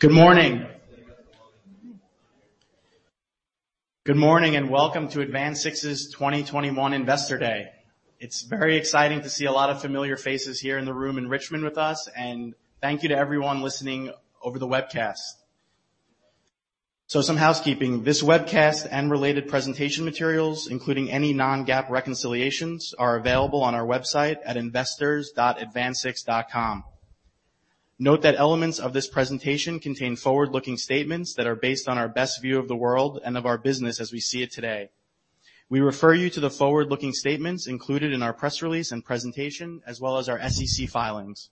Good morning. Good morning and welcome to AdvanSix's 2021 Investor Day. It's very exciting to see a lot of familiar faces here in the room in Richmond with us, and thank you to everyone listening over the webcast. Some housekeeping. This webcast and related presentation materials, including any non-GAAP reconciliations, are available on our website at investors.advansix.com. Note that elements of this presentation contain forward-looking statements that are based on our best view of the world and of our business as we see it today. We refer you to the forward-looking statements included in our press release and presentation, as well as our SEC filings.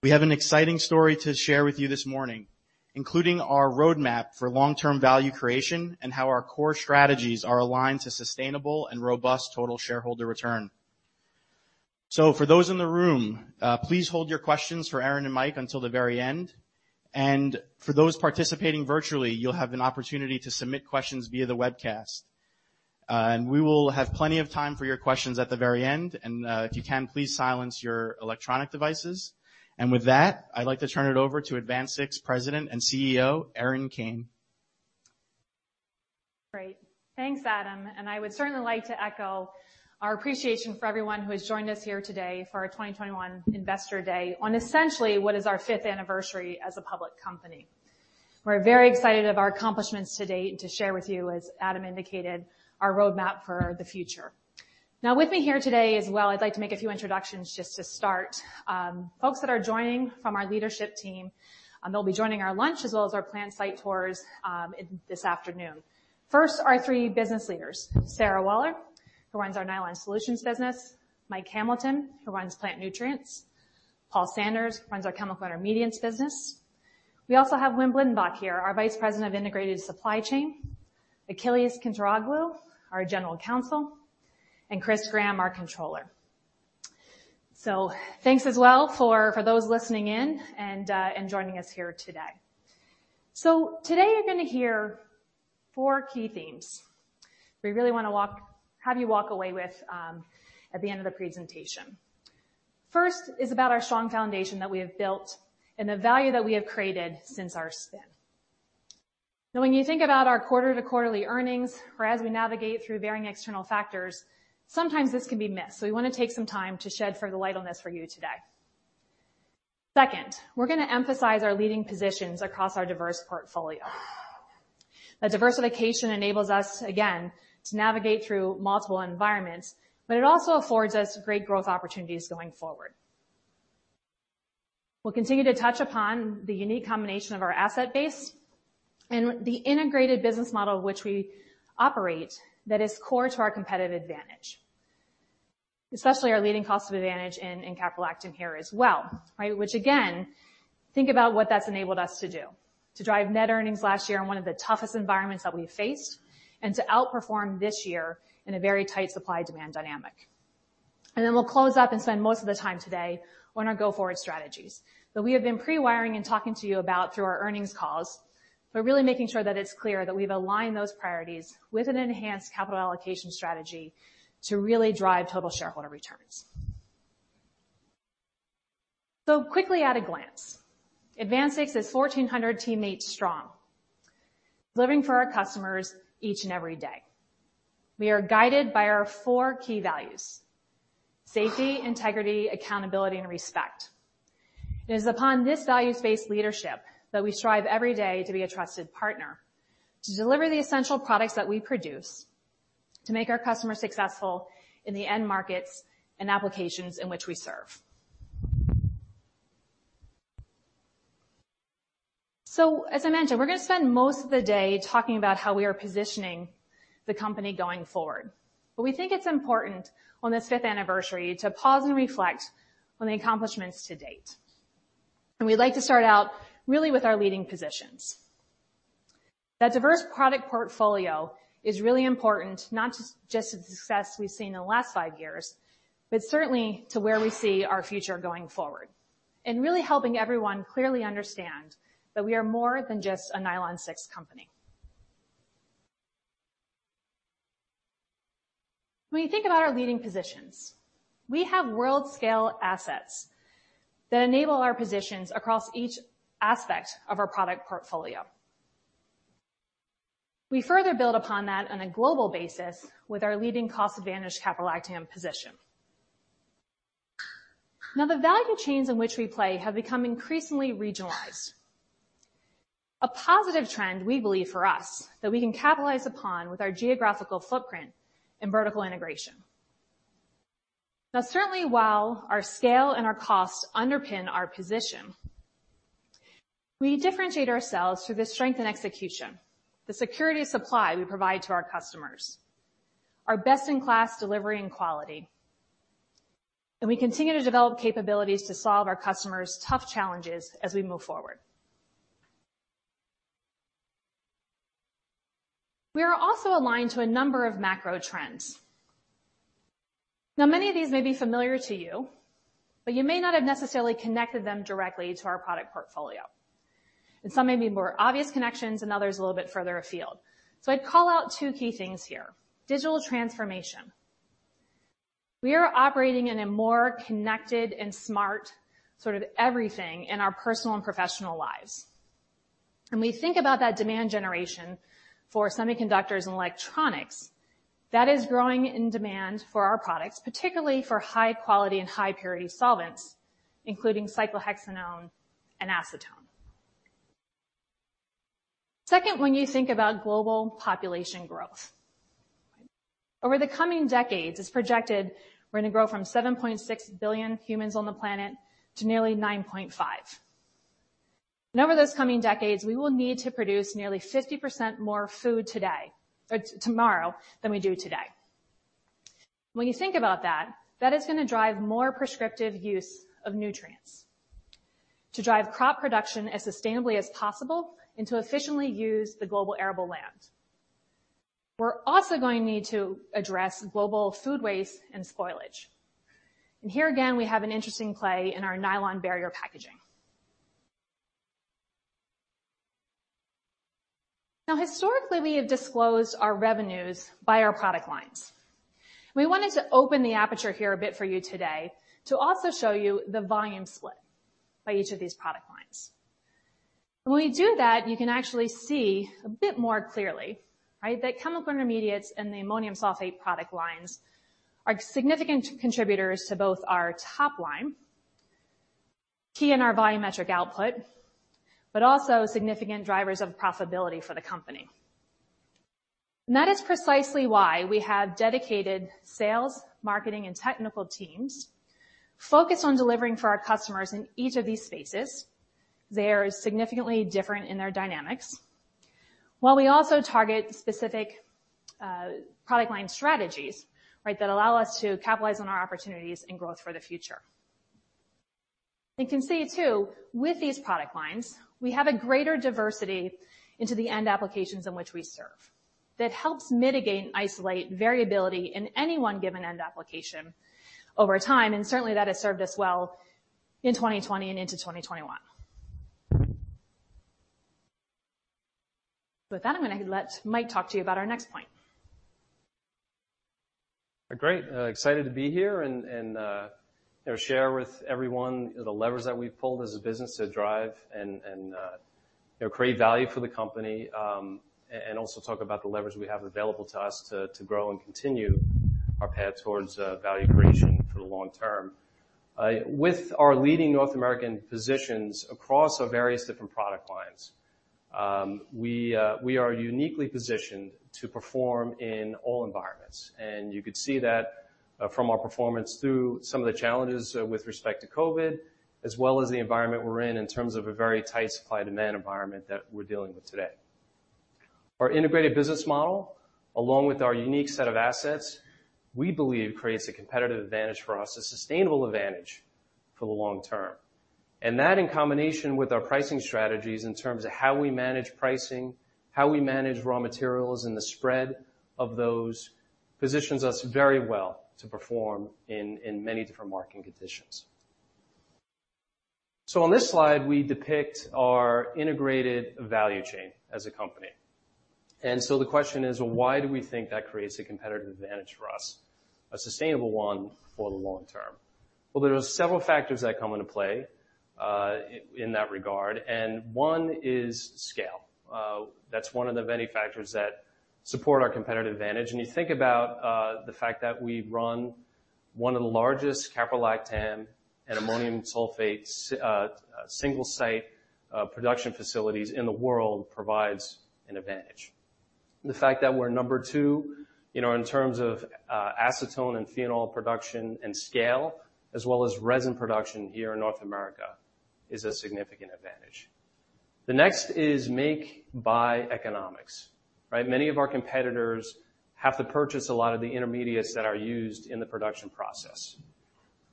We have an exciting story to share with you this morning, including our roadmap for long-term value creation and how our core strategies are aligned to sustainable and robust total shareholder return. For those in the room, please hold your questions for Erin and Mike until the very end. For those participating virtually, you'll have an opportunity to submit questions via the webcast. We will have plenty of time for your questions at the very end. If you can, please silence your electronic devices. With that, I'd like to turn it over to AdvanSix President and CEO, Erin Kane. Great. Thanks, Adam. I would certainly like to echo our appreciation for everyone who has joined us here today for our 2021 Investor Day on essentially what is our 5th anniversary as a public company. We're very excited of our accomplishments to date and to share with you, as Adam indicated, our roadmap for the future. With me here today as well, I'd like to make a few introductions just to start. Folks that are joining from our leadership team, they'll be joining our lunch as well as our plant site tours this afternoon. First, our 3 business leaders, Sarah Waller, who runs our Nylon Solutions business, Mike Hamilton, who runs Plant Nutrients, Paul Sanders, runs our Chemical Intermediates business. We also have Wim Blindenbach here, our Vice President of Integrated Supply Chain, Achilles Kintiroglou, our General Counsel, and Chris Graham, our Controller. Thanks as well for those listening in and joining us here today. Today, you're going to hear 4 key themes we really want to have you walk away with at the end of the presentation. First is about our strong foundation that we have built and the value that we have created since our spin. Now, when you think about our quarter to quarterly earnings, or as we navigate through varying external factors, sometimes this can be missed. We want to take some time to shed further light on this for you today. Second, we're going to emphasize our leading positions across our diverse portfolio. That diversification enables us, again, to navigate through multiple environments, but it also affords us great growth opportunities going forward. We'll continue to touch upon the unique combination of our asset base and the integrated business model which we operate that is core to our competitive advantage, especially our leading cost advantage in caprolactam here as well. Right? Which, again, think about what that's enabled us to do to drive net earnings last year in one of the toughest environments that we've faced, and to outperform this year in a very tight supply-demand dynamic. We'll close up and spend most of the time today on our go-forward strategies that we have been pre-wiring and talking to you about through our earnings calls, but really making sure that it's clear that we've aligned those priorities with an enhanced capital allocation strategy to really drive total shareholder returns. Quickly at a glance, AdvanSix is 1,400 teammates strong, living for our customers each and every day. We are guided by our four key values: safety, integrity, accountability, and respect. It is upon this values-based leadership that we strive every day to be a trusted partner, to deliver the essential products that we produce, to make our customers successful in the end markets and applications in which we serve. As I mentioned, we're going to spend most of the day talking about how we are positioning the company going forward. We think it's important on this fifth anniversary to pause and reflect on the accomplishments to date. We'd like to start out really with our leading positions. That diverse product portfolio is really important, not just to the success we've seen in the last five years, but certainly to where we see our future going forward and really helping everyone clearly understand that we are more than just a Nylon 6 company. When you think about our leading positions, we have world-scale assets that enable our positions across each aspect of our product portfolio. We further build upon that on a global basis with our leading cost advantage caprolactam position. The value chains in which we play have become increasingly regionalized. A positive trend, we believe, for us, that we can capitalize upon with our geographical footprint and vertical integration. Certainly, while our scale and our cost underpin our position, we differentiate ourselves through the strength and execution, the security of supply we provide to our customers, our best-in-class delivery and quality, and we continue to develop capabilities to solve our customers' tough challenges as we move forward. We are also aligned to a number of macro trends. Many of these may be familiar to you, but you may not have necessarily connected them directly to our product portfolio. Some may be more obvious connections and others a little bit further afield. I'd call out two key things here. Digital transformation. We are operating in a more connected and smart sort of everything in our personal and professional lives. We think about that demand generation for semiconductors and electronics, that is growing in demand for our products, particularly for high quality and high purity solvents, including cyclohexanone and acetone. Second, when you think about global population growth. Over the coming decades, it's projected we're going to grow from 7.6 billion humans on the planet to nearly 9.5 billion. Over those coming decades, we will need to produce nearly 50% more food tomorrow than we do today. When you think about that is going to drive more prescriptive use of nutrients to drive crop production as sustainably as possible and to efficiently use the global arable land. We're also going to need to address global food waste and spoilage. Here again, we have an interesting play in our nylon barrier packaging. Historically, we have disclosed our revenues by our product lines. We wanted to open the aperture here a bit for you today to also show you the volume split by each of these product lines. When we do that, you can actually see a bit more clearly that Chemical Intermediates and the ammonium sulfate product lines are significant contributors to both our top line, key in our volumetric output, but also significant drivers of profitability for the company. That is precisely why we have dedicated sales, marketing, and technical teams focused on delivering for our customers in each of these spaces. They are significantly different in their dynamics, while we also target specific product line strategies that allow us to capitalize on our opportunities and growth for the future. You can see too, with these product lines, we have a greater diversity into the end applications in which we serve that helps mitigate and isolate variability in any 1 given end application over time, and certainly that has served us well in 2020 and into 2021. With that, I'm going to let Mike talk to you about our next point. Great. Excited to be here and share with everyone the levers that we've pulled as a business to drive and create value for the company, and also talk about the levers we have available to us to grow and continue our path towards value creation for the long term. With our leading North American positions across our various different product lines, we are uniquely positioned to perform in all environments. You could see that from our performance through some of the challenges with respect to COVID, as well as the environment we're in in terms of a very tight supply demand environment that we're dealing with today. Our integrated business model, along with our unique set of assets, we believe creates a competitive advantage for us, a sustainable advantage for the long term. That in combination with our pricing strategies in terms of how we manage pricing, how we manage raw materials, and the spread of those, positions us very well to perform in many different market conditions. On this slide, we depict our integrated value chain as a company. The question is: why do we think that creates a competitive advantage for us, a sustainable 1 for the long term? There are several factors that come into play in that regard, and 1 is scale. That's 1 of the many factors that support our competitive advantage, and you think about the fact that we run 1 of the largest caprolactam and ammonium sulfate single site production facilities in the world provides an advantage. The fact that we're number 2 in terms of acetone and phenol production and scale, as well as resin production here in North America is a significant advantage. Next is make, buy economics, right? Many of our competitors have to purchase a lot of the intermediates that are used in the production process.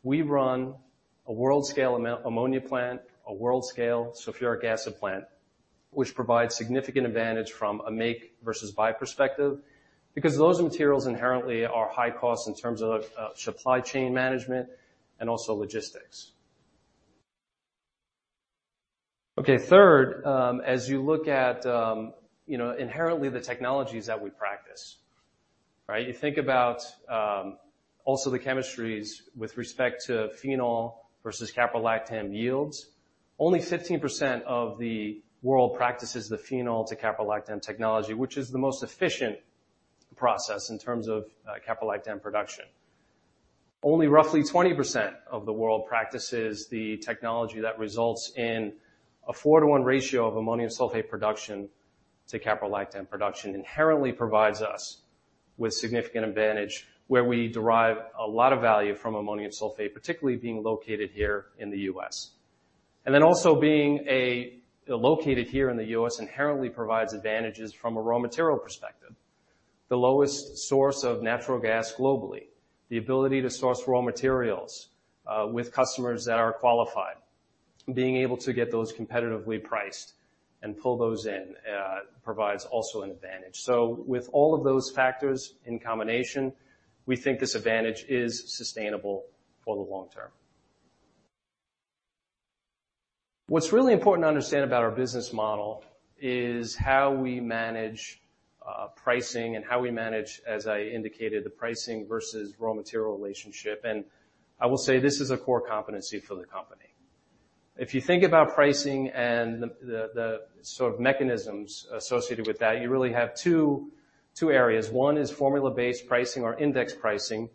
We run a world-scale ammonia plant, a world-scale sulfuric acid plant, which provides significant advantage from a make versus buy perspective because those materials inherently are high cost in terms of supply chain management and also logistics. Third, as you look at inherently the technologies that we practice. You think about also the chemistries with respect to phenol versus caprolactam yields. Only 15% of the world practices the phenol to caprolactam technology, which is the most efficient process in terms of caprolactam production. Only roughly 20% of the world practices the technology that results in a 4 to 1 ratio of ammonium sulfate production to caprolactam production, inherently provides us with significant advantage where we derive a lot of value from ammonium sulfate, particularly being located here in the U.S. Also being located here in the U.S. inherently provides advantages from a raw material perspective. The lowest source of natural gas globally, the ability to source raw materials with customers that are qualified, being able to get those competitively priced and pull those in provides also an advantage. With all of those factors in combination, we think this advantage is sustainable for the long term. What's really important to understand about our business model is how we manage pricing and how we manage, as I indicated, the pricing versus raw material relationship, and I will say this is a core competency for the company. If you think about pricing and the sort of mechanisms associated with that, you really have 2 areas. One is formula-based pricing or index pricing,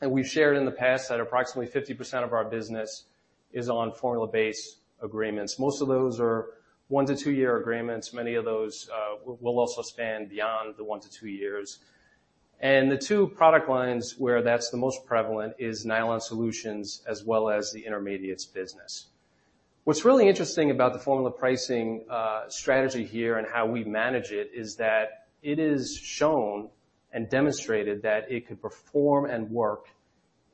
and we've shared in the past that approximately 50% of our business is on formula-based agreements. Most of those are 1 to 2-year agreements. Many of those will also span beyond the 1 to 2 years. The 2 product lines where that's the most prevalent is Nylon Solutions, as well as the Intermediates business. What's really interesting about the formula pricing strategy here and how we manage it is that it is shown and demonstrated that it could perform and work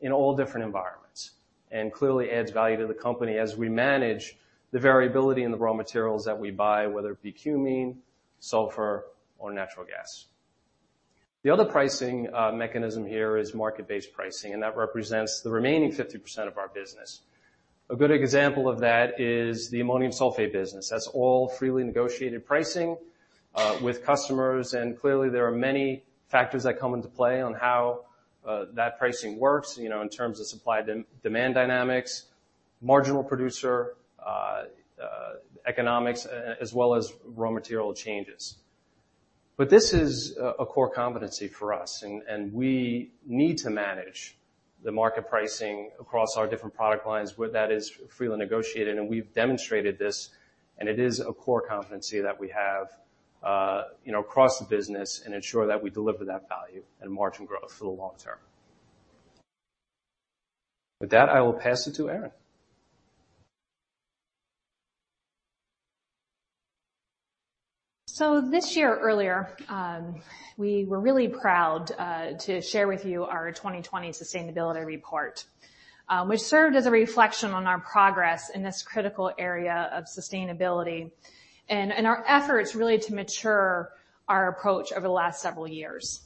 in all different environments, and clearly adds value to the company as we manage the variability in the raw materials that we buy, whether it be cumene, sulfur, or natural gas. The other pricing mechanism here is market-based pricing. That represents the remaining 50% of our business. A good example of that is the ammonium sulfate business. That's all freely negotiated pricing with customers. Clearly, there are many factors that come into play on how that pricing works, in terms of supply demand dynamics, marginal producer economics, as well as raw material changes. This is a core competency for us, and we need to manage the market pricing across our different product lines where that is freely negotiated, and we've demonstrated this, and it is a core competency that we have across the business and ensure that we deliver that value and margin growth for the long term. With that, I will pass it to Erin. This year earlier, we were really proud to share with you our 2020 sustainability report, which served as a reflection on our progress in this critical area of sustainability and in our efforts really to mature our approach over the last several years.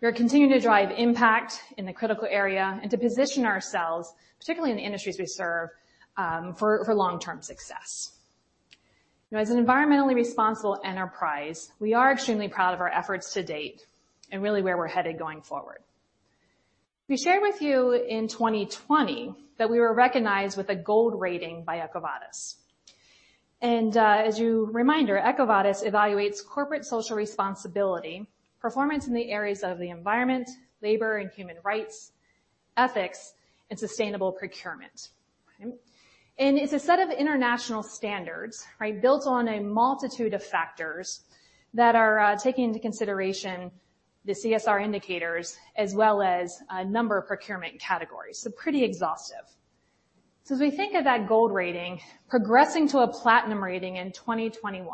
We are continuing to drive impact in the critical area and to position ourselves, particularly in the industries we serve, for long-term success. As an environmentally responsible enterprise, we are extremely proud of our efforts to date and really where we're headed going forward. We shared with you in 2020 that we were recognized with a gold rating by EcoVadis. Reminder, EcoVadis evaluates corporate social responsibility, performance in the areas of the environment, labor and human rights, ethics, and sustainable procurement. It's a set of international standards, right? Built on a multitude of factors that are taking into consideration the CSR indicators as well as a number of procurement categories. Pretty exhaustive. As we think of that gold rating progressing to a platinum rating in 2021,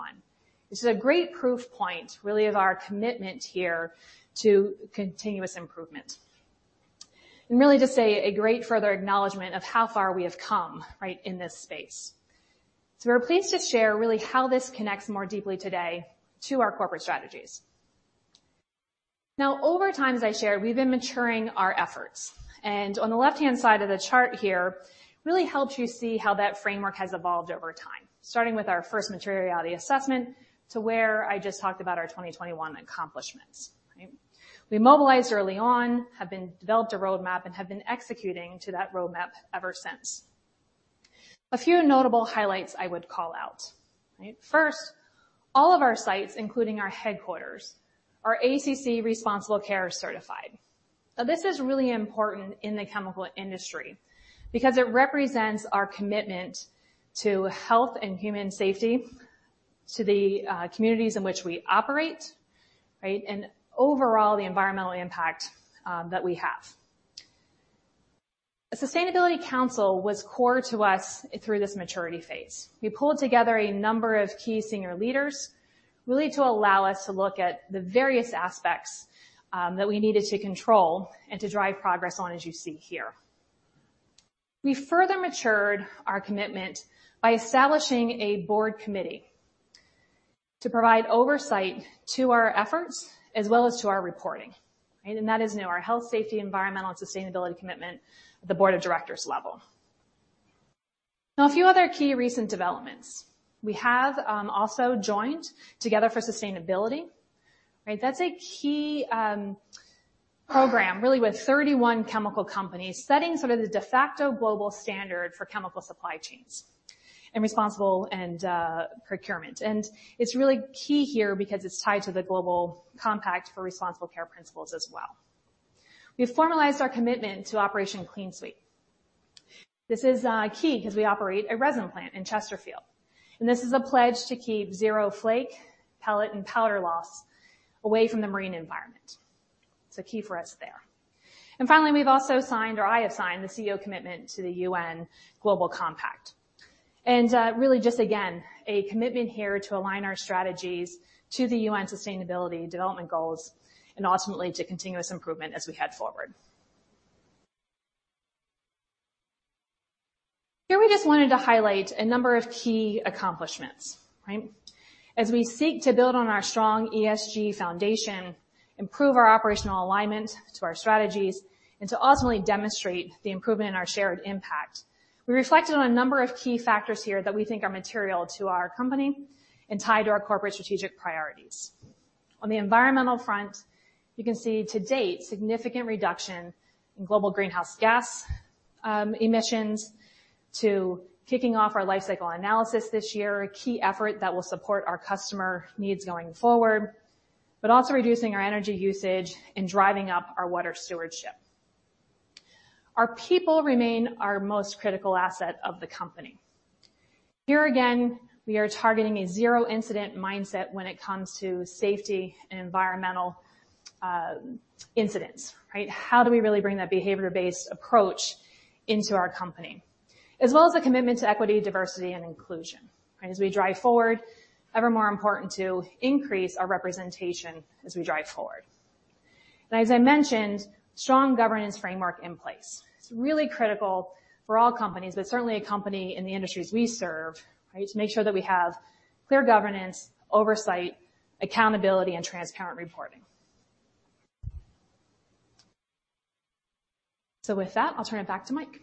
this is a great proof point, really, of our commitment here to continuous improvement. Really just a great further acknowledgment of how far we have come, right, in this space. We're pleased to share really how this connects more deeply today to our corporate strategies. Now, over time, as I shared, we've been maturing our efforts, and on the left-hand side of the chart here really helps you see how that framework has evolved over time, starting with our first materiality assessment to where I just talked about our 2021 accomplishments. We mobilized early on, developed a roadmap, and have been executing to that roadmap ever since. A few notable highlights I would call out, right? First, all of our sites, including our headquarters, are ACC Responsible Care certified. Now, this is really important in the chemical industry because it represents our commitment to health and human safety, to the communities in which we operate, right, and overall, the environmental impact that we have. A sustainability council was core to us through this maturity phase. We pulled together a number of key senior leaders, really to allow us to look at the various aspects that we needed to control and to drive progress on, as you see here. We further matured our commitment by establishing a board committee to provide oversight to our efforts as well as to our reporting. That is now our health, safety, environmental, and sustainability commitment at the Board of Directors level. A few other key recent developments. We have also joined Together for Sustainability, right? That's a key program, really with 31 chemical companies setting sort of the de facto global standard for chemical supply chains and responsible and procurement. It's really key here because it's tied to the Global Compact for Responsible Care principles as well. We've formalized our commitment to Operation Clean Sweep. This is key because we operate a resin plant in Chesterfield, and this is a pledge to keep zero flake, pellet, and powder loss away from the marine environment. It's a key for us there. Finally, we've also signed, or I have signed, the CEO commitment to the UN Global Compact. Really, just again, a commitment here to align our strategies to the UN Sustainable Development Goals and ultimately to continuous improvement as we head forward. We just wanted to highlight a number of key accomplishments, right? As we seek to build on our strong ESG foundation, improve our operational alignment to our strategies, and to ultimately demonstrate the improvement in our shared impact. We reflected on a number of key factors here that we think are material to our company and tied to our corporate strategic priorities. On the environmental front, you can see to date significant reduction in global greenhouse gas emissions to kicking off our life cycle analysis this year, a key effort that will support our customer needs going forward, but also reducing our energy usage and driving up our water stewardship. Our people remain our most critical asset of the company. Here again, we are targeting a zero-incident mindset when it comes to safety and environmental incidents, right? How do we really bring that behavior-based approach into our company, as well as the commitment to equity, diversity, and inclusion? As we drive forward, ever more important to increase our representation as we drive forward. As I mentioned, strong governance framework in place. It's really critical for all companies, but certainly a company in the industries we serve, right? To make sure that we have clear governance, oversight, accountability, and transparent reporting. With that, I'll turn it back to Mike.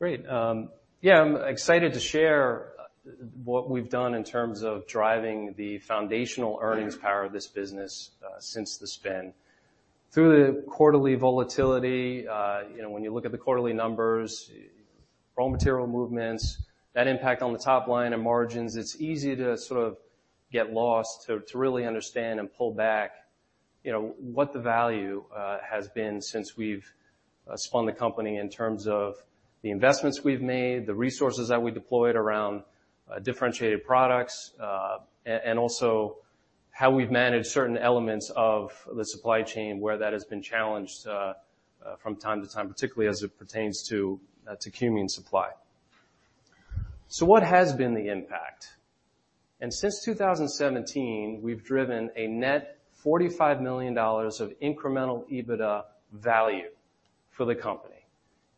Great. Yeah, I'm excited to share what we've done in terms of driving the foundational earnings power of this business since the spin. Through the quarterly volatility, when you look at the quarterly numbers, raw material movements, that impact on the top line and margins, it's easy to sort of get lost to really understand and pull back what the value has been since we've spun the company in terms of the investments we've made, the resources that we deployed around differentiated products, and also how we've managed certain elements of the supply chain where that has been challenged from time to time, particularly as it pertains to cumene supply. What has been the impact? Since 2017, we've driven a net $45 million of incremental EBITDA value for the company.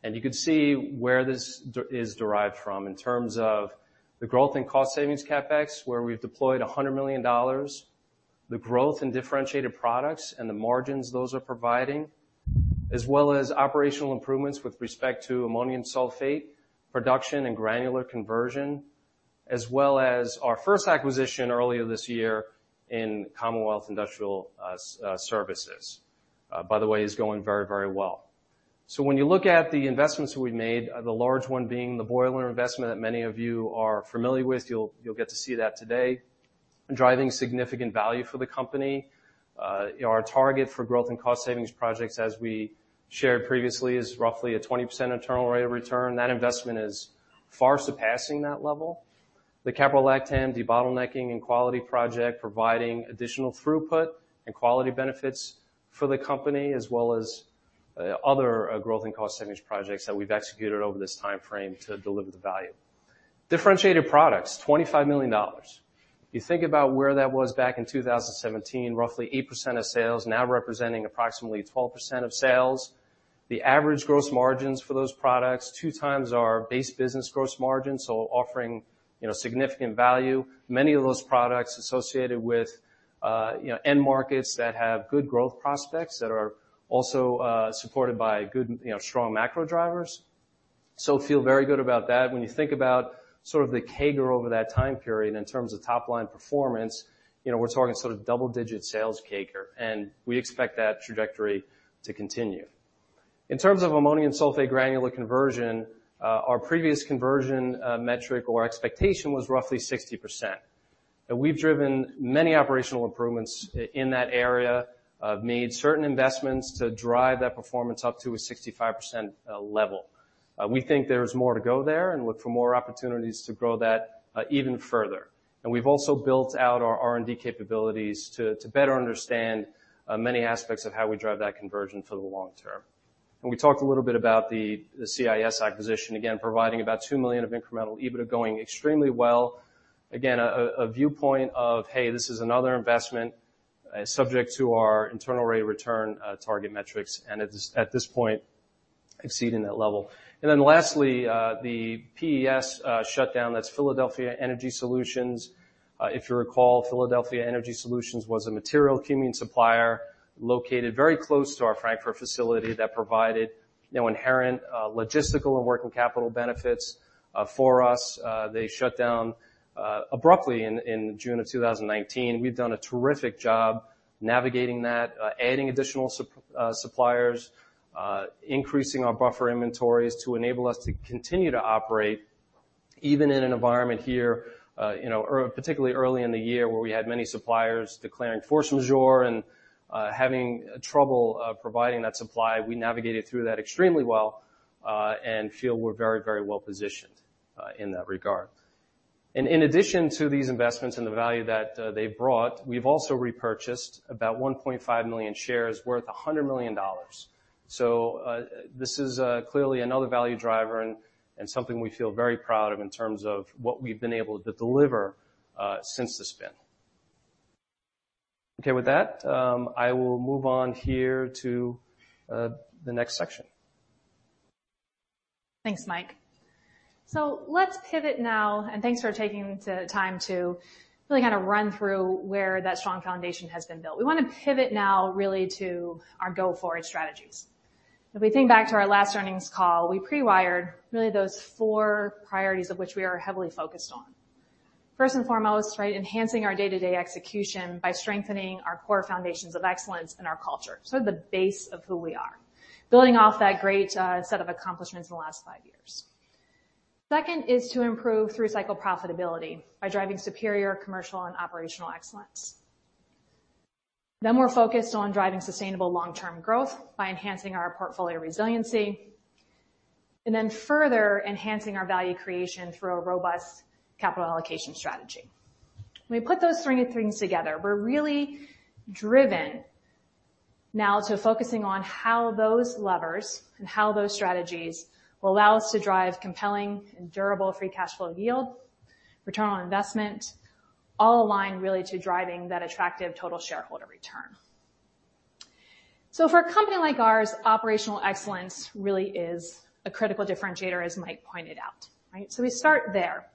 You can see where this is derived from in terms of the growth in cost savings CapEx, where we've deployed $100 million, the growth in differentiated products and the margins those are providing, as well as operational improvements with respect to ammonium sulfate production and granular conversion, as well as our first acquisition earlier this year in Commonwealth Industrial Services. By the way, it's going very well. When you look at the investments we've made, the large one being the boiler investment that many of you are familiar with, you'll get to see that today, driving significant value for the company. Our target for growth and cost savings projects, as we shared previously, is roughly a 20% internal rate of return. That investment is far surpassing that level. The caprolactam debottlenecking and quality project providing additional throughput and quality benefits for the company, as well as other growth and cost savings projects that we've executed over this timeframe to deliver the value. Differentiated products, $25 million. You think about where that was back in 2017, roughly 8% of sales, now representing approximately 12% of sales. The average gross margins for those products, 2 times our base business gross margin, offering significant value. Many of those products associated with end markets that have good growth prospects that are also supported by good, strong macro drivers. Feel very good about that. When you think about sort of the CAGR over that time period in terms of top-line performance, we're talking sort of double-digit sales CAGR, and we expect that trajectory to continue. In terms of ammonium sulfate granular conversion, our previous conversion metric or expectation was roughly 60%. We've driven many operational improvements in that area, made certain investments to drive that performance up to a 65% level. We think there's more to go there and look for more opportunities to grow that even further. We've also built out our R&D capabilities to better understand many aspects of how we drive that conversion for the long term. We talked a little bit about the CIS acquisition, again, providing about $2 million of incremental EBITDA, going extremely well. Again, a viewpoint of, hey, this is another investment subject to our internal rate of return target metrics, and at this point, exceeding that level. Lastly, the PES shutdown, that's Philadelphia Energy Solutions. If you recall, Philadelphia Energy Solutions was a material cumene supplier located very close to our Frankford facility that provided inherent logistical and working capital benefits for us. They shut down abruptly in June of 2019. We've done a terrific job navigating that, adding additional suppliers, increasing our buffer inventories to enable us to continue to operate even in an environment here, particularly early in the year where we had many suppliers declaring force majeure and having trouble providing that supply. We navigated through that extremely well, and feel we're very well positioned in that regard. In addition to these investments and the value that they've brought, we've also repurchased about 1.5 million shares worth $100 million. This is clearly another value driver and something we feel very proud of in terms of what we've been able to deliver since the spin. Okay, with that, I will move on here to the next section Thanks, Mike. Let's pivot now, and thanks for taking the time to really run through where that strong foundation has been built. We want to pivot now really to our go-forward strategies. If we think back to our last earnings call, we pre-wired really those 4 priorities of which we are heavily focused on. First and foremost, enhancing our day-to-day execution by strengthening our core foundations of excellence and our culture. The base of who we are, building off that great set of accomplishments in the last 5 years. Second is to improve through-cycle profitability by driving superior commercial and operational excellence. We're focused on driving sustainable long-term growth by enhancing our portfolio resiliency, further enhancing our value creation through a robust capital allocation strategy. When we put those three things together, we're really driven now to focusing on how those levers and how those strategies will allow us to drive compelling and durable free cash flow yield, return on investment, all aligned really to driving that attractive total shareholder return. For a company like ours, operational excellence really is a critical differentiator, as Mike pointed out. We start there.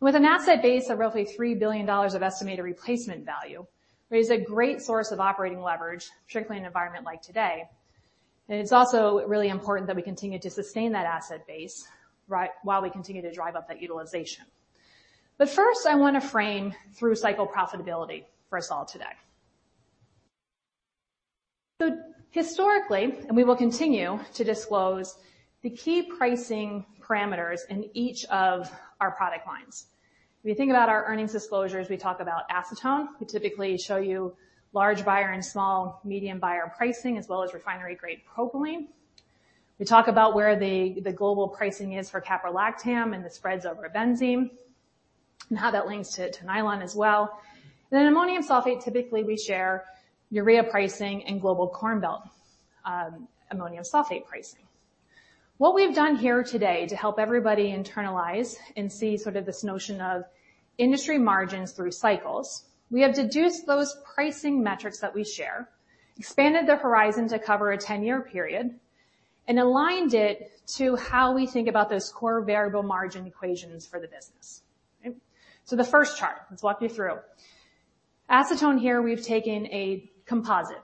With an asset base of roughly $3 billion of estimated replacement value, there is a great source of operating leverage, particularly in an environment like today. It's also really important that we continue to sustain that asset base while we continue to drive up that utilization. First, I want to frame through-cycle profitability for us all today. Historically, and we will continue to disclose the key pricing parameters in each of our product lines. If we think about our earnings disclosures, we talk about acetone. We typically show you large buyer and small, medium buyer pricing, as well as refinery-grade propylene. We talk about where the global pricing is for caprolactam and the spreads over benzene, and how that links to nylon as well. Ammonium sulfate, typically we share urea pricing and global corn belt ammonium sulfate pricing. What we've done here today to help everybody internalize and see sort of this notion of industry margins through cycles, we have deduced those pricing metrics that we share, expanded the horizon to cover a 10-year period, and aligned it to how we think about those core variable margin equations for the business. The first chart, let's walk you through. Acetone here, we've taken a composite.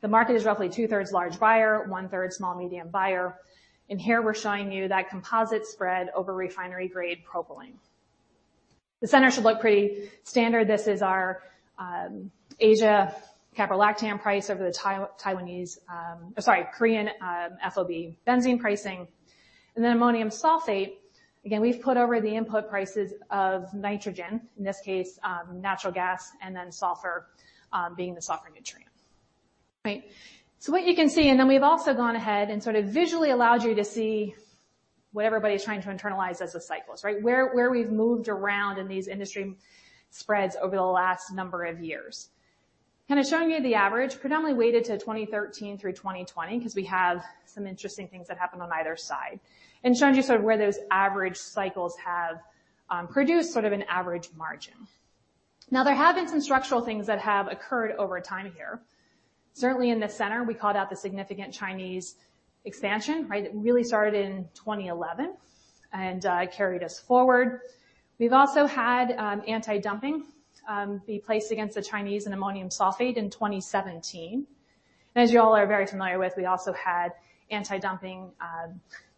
The market is roughly two-thirds large buyer, one-third small medium buyer, and here we're showing you that composite spread over refinery-grade propylene. The center should look pretty standard. This is our Asia caprolactam price over the Taiwanese, sorry, Korean FOB benzene pricing, and then ammonium sulfate. Again, we've put over the input prices of nitrogen, in this case, natural gas, and then sulfur being the sulfur nutrient. What you can see, and then we've also gone ahead and sort of visually allowed you to see what everybody's trying to internalize as the cycles, right? Where we've moved around in these industry spreads over the last number of years. Kind of showing you the average, predominantly weighted to 2013 through 2020, because we have some interesting things that happened on either side, and showing you sort of where those average cycles have produced sort of an average margin. There have been some structural things that have occurred over time here. In the center, we called out the significant Chinese expansion that really started in 2011 and carried us forward. We've also had anti-dumping be placed against the Chinese and ammonium sulfate in 2017. As you all are very familiar with, we also had anti-dumping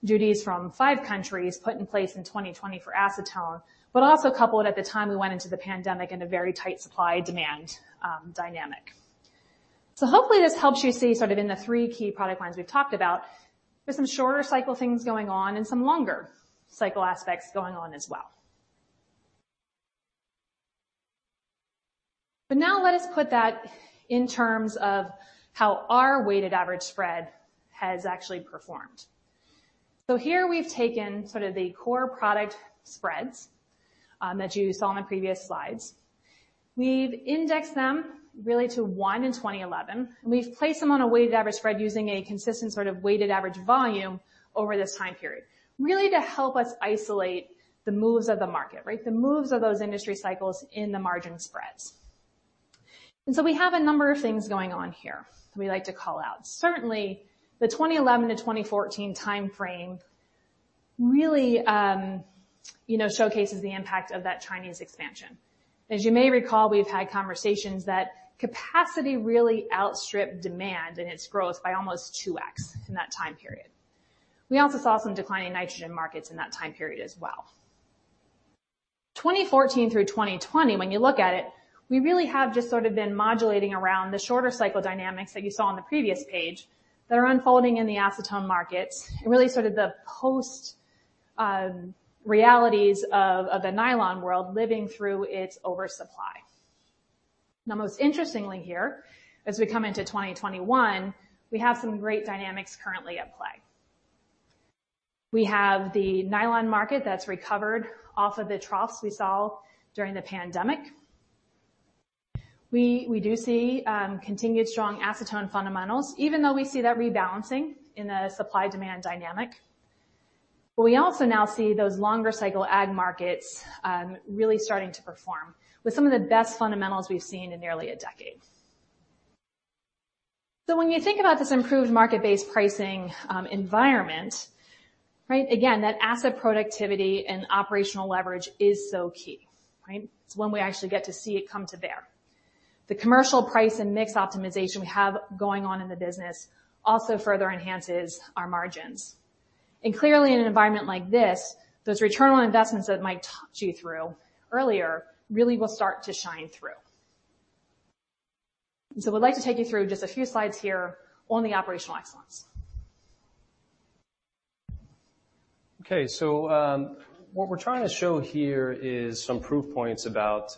duties from 5 countries put in place in 2020 for acetone, also coupled at the time we went into the pandemic in a very tight supply-demand dynamic. Hopefully, this helps you see sort of in the 3 key product lines we've talked about, there's some shorter cycle things going on and some longer cycle aspects going on as well. Now let us put that in terms of how our weighted average spread has actually performed. Here we've taken sort of the core product spreads that you saw on the previous slides. We've indexed them really to 1 in 2011, and we've placed them on a weighted average spread using a consistent sort of weighted average volume over this time period, really to help us isolate the moves of the market, the moves of those industry cycles in the margin spreads. We have a number of things going on here that we like to call out. Certainly, the 2011 to 2014 time frame really showcases the impact of that Chinese expansion. As you may recall, we've had conversations that capacity really outstripped demand and its growth by almost 2x in that time period. We also saw some decline in nitrogen markets in that time period as well. 2014 through 2020, when you look at it, we really have just sort of been modulating around the shorter cycle dynamics that you saw on the previous page that are unfolding in the acetone markets and really sort of the post-realities of the nylon world living through its oversupply. Most interestingly here, as we come into 2021, we have some great dynamics currently at play. We have the nylon market that's recovered off of the troughs we saw during the pandemic. We do see continued strong acetone fundamentals, even though we see that rebalancing in the supply-demand dynamic. We also now see those longer cycle ag markets really starting to perform with some of the best fundamentals we've seen in nearly a decade. When you think about this improved market-based pricing environment, again, that asset productivity and operational leverage is so key. It's when we actually get to see it come to bear. The commercial price and mix optimization we have going on in the business also further enhances our margins. Clearly, in an environment like this, those ROI that Mike Hamilton talked you through earlier really will start to shine through. We'd like to take you through just a few slides here on the operational excellence. What we're trying to show here is some proof points about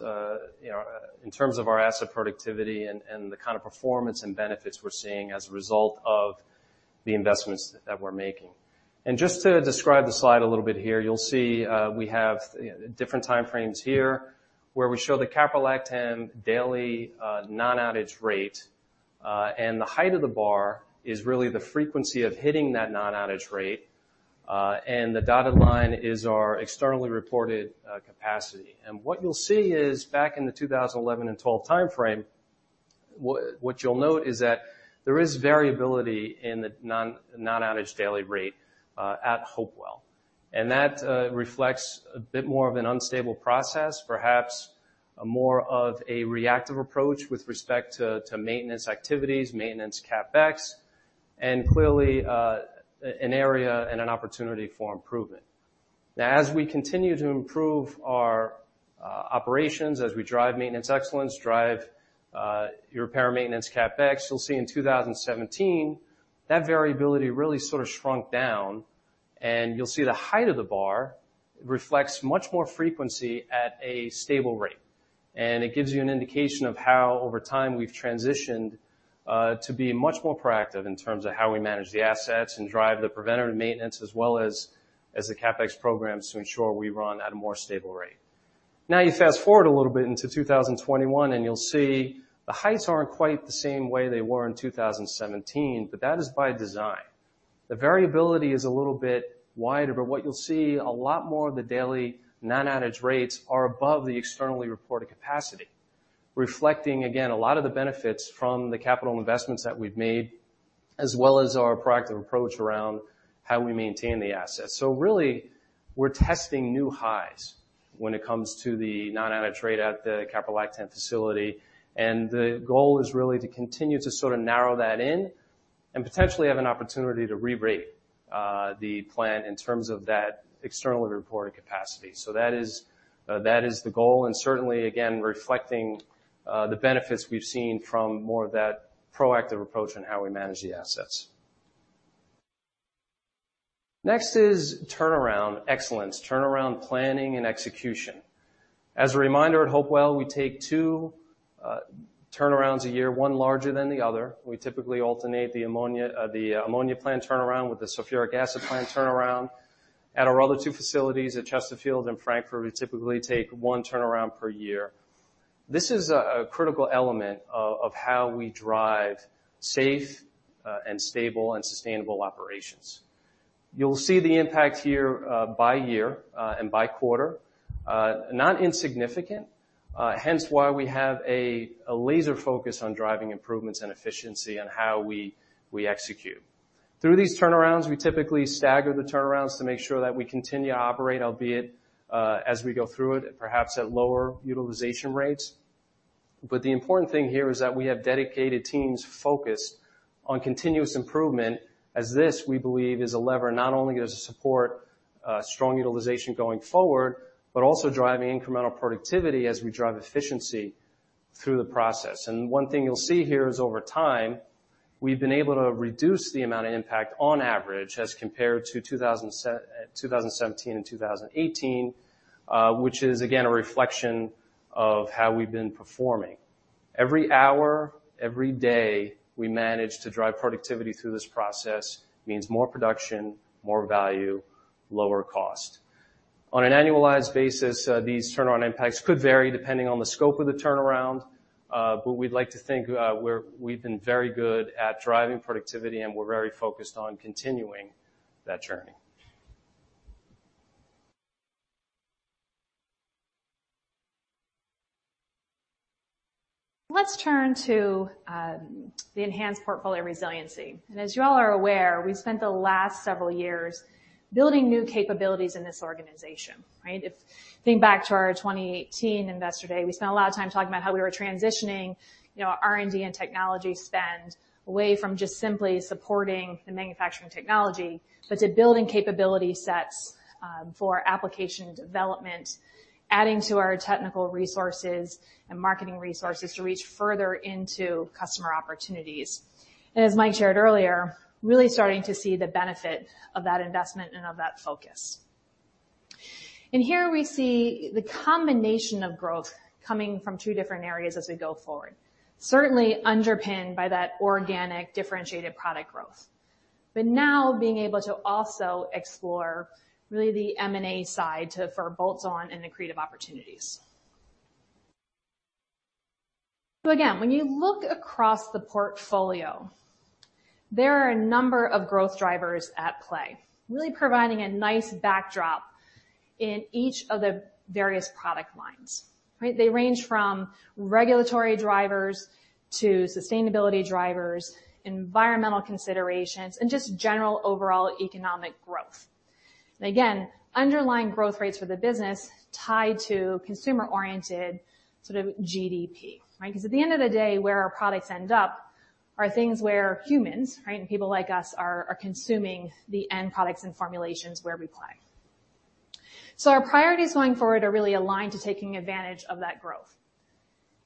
in terms of our asset productivity and the kind of performance and benefits we're seeing as a result of the investments that we're making. Just to describe the slide a little bit here, you'll see we have different time frames here where we show the caprolactam daily non-outage rate. The height of the bar is really the frequency of hitting that non-outage rate. The dotted line is our externally reported capacity. What you'll see is back in the 2011 and 2012 time frame, what you'll note is that there is variability in the non-outage daily rate at Hopewell. That reflects a bit more of an unstable process, perhaps more of a reactive approach with respect to maintenance activities, maintenance CapEx, and clearly, an area and an opportunity for improvement. Now, as we continue to improve our operations, as we drive maintenance excellence, drive your repair maintenance CapEx, you'll see in 2017, that variability really sort of shrunk down, and you'll see the height of the bar reflects much more frequency at a stable rate. It gives you an indication of how, over time, we've transitioned to be much more proactive in terms of how we manage the assets and drive the preventative maintenance as well as the CapEx programs to ensure we run at a more stable rate. Now you fast-forward a little bit into 2021, and you'll see the heights aren't quite the same way they were in 2017, but that is by design. The variability is a little bit wider, but what you'll see a lot more of the daily non-outage rates are above the externally reported capacity, reflecting, again, a lot of the benefits from the capital investments that we've made, as well as our proactive approach around how we maintain the assets. Really, we're testing new highs when it comes to the non-outage rate at the caprolactam facility, and the goal is really to continue to sort of narrow that in and potentially have an opportunity to re-rate the plant in terms of that externally reported capacity. That is the goal, and certainly, again, reflecting the benefits we've seen from more of that proactive approach on how we manage the assets. Next is turnaround excellence, turnaround planning, and execution. As a reminder, at Hopewell, we take two turnarounds a year, one larger than the other. We typically alternate the ammonia plant turnaround with the sulfuric acid plant turnaround. At our other two facilities at Chesterfield and Frankford, we typically take one turnaround per year. This is a critical element of how we drive safe, and stable, and sustainable operations. You'll see the impact here by year and by quarter, not insignificant, hence why we have a laser focus on driving improvements and efficiency on how we execute. Through these turnarounds, we typically stagger the turnarounds to make sure that we continue to operate, albeit as we go through it, perhaps at lower utilization rates. The important thing here is that we have dedicated teams focused on continuous improvement as this, we believe, is a lever not only that is a support strong utilization going forward, but also driving incremental productivity as we drive efficiency through the process. One thing you'll see here is over time, we've been able to reduce the amount of impact on average as compared to 2017 and 2018, which is again, a reflection of how we've been performing. Every hour, every day, we manage to drive productivity through this process means more production, more value, lower cost. On an annualized basis, these turnaround impacts could vary depending on the scope of the turnaround. We'd like to think we've been very good at driving productivity, and we're very focused on continuing that journey. Let's turn to the enhanced portfolio resiliency. As you all are aware, we've spent the last several years building new capabilities in this organization, right? If you think back to our 2018 Investor Day, we spent a lot of time talking about how we were transitioning R&D and technology spend away from just simply supporting the manufacturing technology, but to building capability sets for application development, adding to our technical resources and marketing resources to reach further into customer opportunities. As Mike shared earlier, really starting to see the benefit of that investment and of that focus. Here we see the combination of growth coming from two different areas as we go forward, certainly underpinned by that organic differentiated product growth. Now being able to also explore really the M&A side for bolt-on and accretive opportunities. Again, when you look across the portfolio, there are a number of growth drivers at play, really providing a nice backdrop in each of the various product lines. They range from regulatory drivers to sustainability drivers, environmental considerations, and just general overall economic growth. Again, underlying growth rates for the business tie to consumer-oriented GDP. Because at the end of the day, where our products end up are things where humans and people like us are consuming the end products and formulations where we play. Our priorities going forward are really aligned to taking advantage of that growth.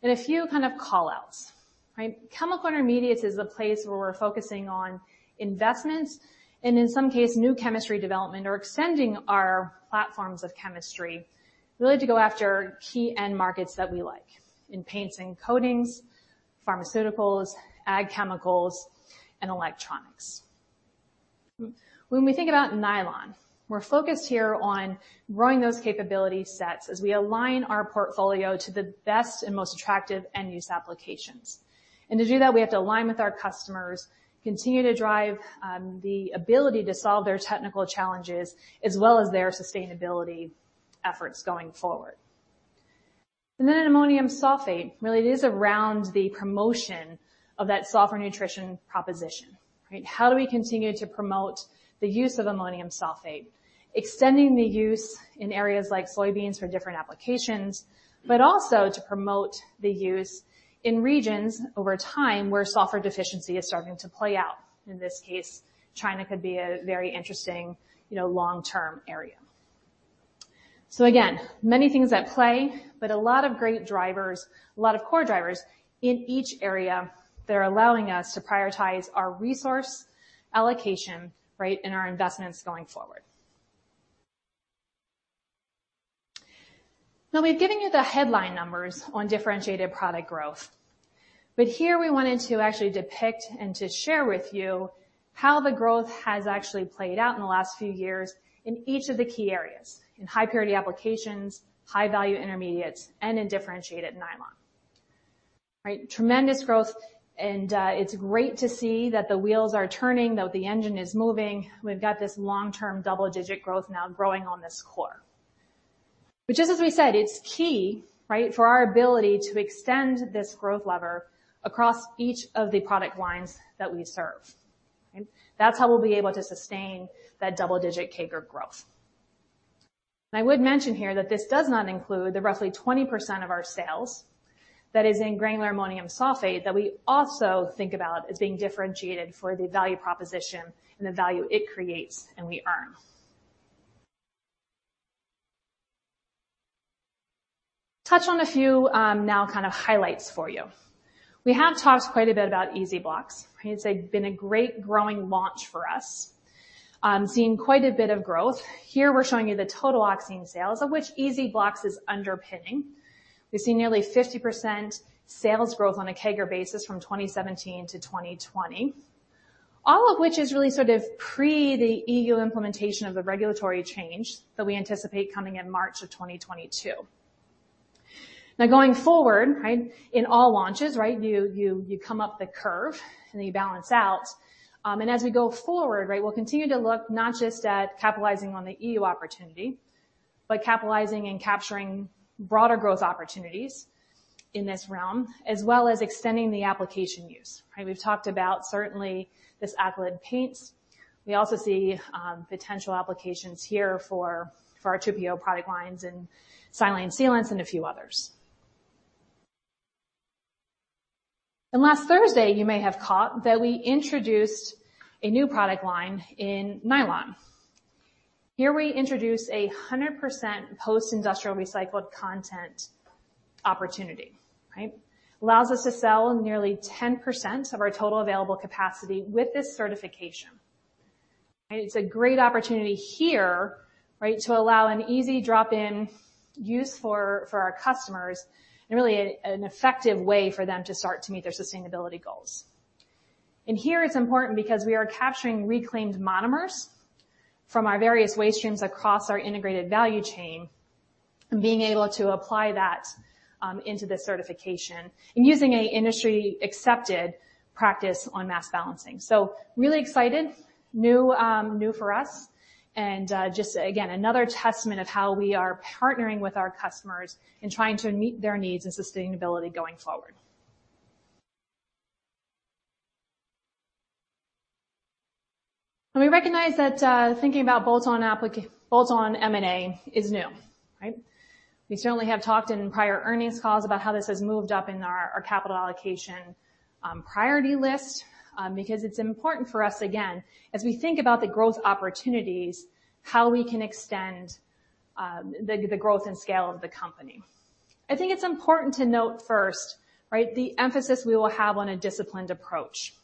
A few kind of call-outs. Chemical Intermediates is the place where we're focusing on investments and, in some case, new chemistry development or extending our platforms of chemistry, really to go after key end markets that we like in paints and coatings, pharmaceuticals, ag chemicals, and electronics. When we think about nylon, we're focused here on growing those capability sets as we align our portfolio to the best and most attractive end-use applications. To do that, we have to align with our customers, continue to drive the ability to solve their technical challenges, as well as their sustainability efforts going forward. Ammonium sulfate, really it is around the promotion of that sulfur nutrition proposition. How do we continue to promote the use of ammonium sulfate, extending the use in areas like soybeans for different applications, but also to promote the use in regions over time where sulfur deficiency is starting to play out. In this case, China could be a very interesting long-term area. Again, many things at play, but a lot of great drivers, a lot of core drivers in each area that are allowing us to prioritize our resource allocation and our investments going forward. We've given you the headline numbers on differentiated product growth. Here we wanted to actually depict and to share with you how the growth has actually played out in the last few years in each of the key areas, in high-purity applications, high-value intermediates, and in differentiated nylon. Tremendous growth, and it's great to see that the wheels are turning, that the engine is moving. We've got this long-term double-digit growth now growing on this core. Just as we said, it's key for our ability to extend this growth lever across each of the product lines that we serve. That's how we'll be able to sustain that double-digit CAGR growth. I would mention here that this does not include the roughly 20% of our sales that is in granular ammonium sulfate that we also think about as being differentiated for the value proposition and the value it creates and we earn. Touch on a few now kind of highlights for you. We have talked quite a bit about EZ-Blox. It's been a great growing launch for us, seeing quite a bit of growth. Here we're showing you the total oxime sales of which EZ-Blox is underpinning. We've seen nearly 50% sales growth on a CAGR basis from 2017 to 2020. All of which is really sort of pre the EU implementation of the regulatory change that we anticipate coming in March of 2022. Going forward in all launches, you come up the curve, and you balance out. As we go forward, we'll continue to look not just at capitalizing on the EU opportunity, but capitalizing and capturing broader growth opportunities in this realm, as well as extending the application use. We've talked about certainly this alkyd paints. We also see potential applications here for our 2-PO product lines and silane sealants and a few others. Last Thursday, you may have caught that we introduced a new product line in nylon. Here we introduce 100% post-industrial recycled content opportunity. Allows us to sell nearly 10% of our total available capacity with this certification. It's a great opportunity here to allow an easy drop-in use for our customers and really an effective way for them to start to meet their sustainability goals. Here it's important because we are capturing reclaimed monomers from our various waste streams across our integrated value chain, and being able to apply that into the certification and using an industry-accepted practice on mass balancing. Really excited, new for us, and just again, another testament of how we are partnering with our customers and trying to meet their needs and sustainability going forward. We recognize that thinking about bolt-on M&A is new. We certainly have talked in prior earnings calls about how this has moved up in our capital allocation priority list, because it's important for us, again, as we think about the growth opportunities, how we can extend the growth and scale of the company. I think it's important to note first the emphasis we will have on a disciplined approach.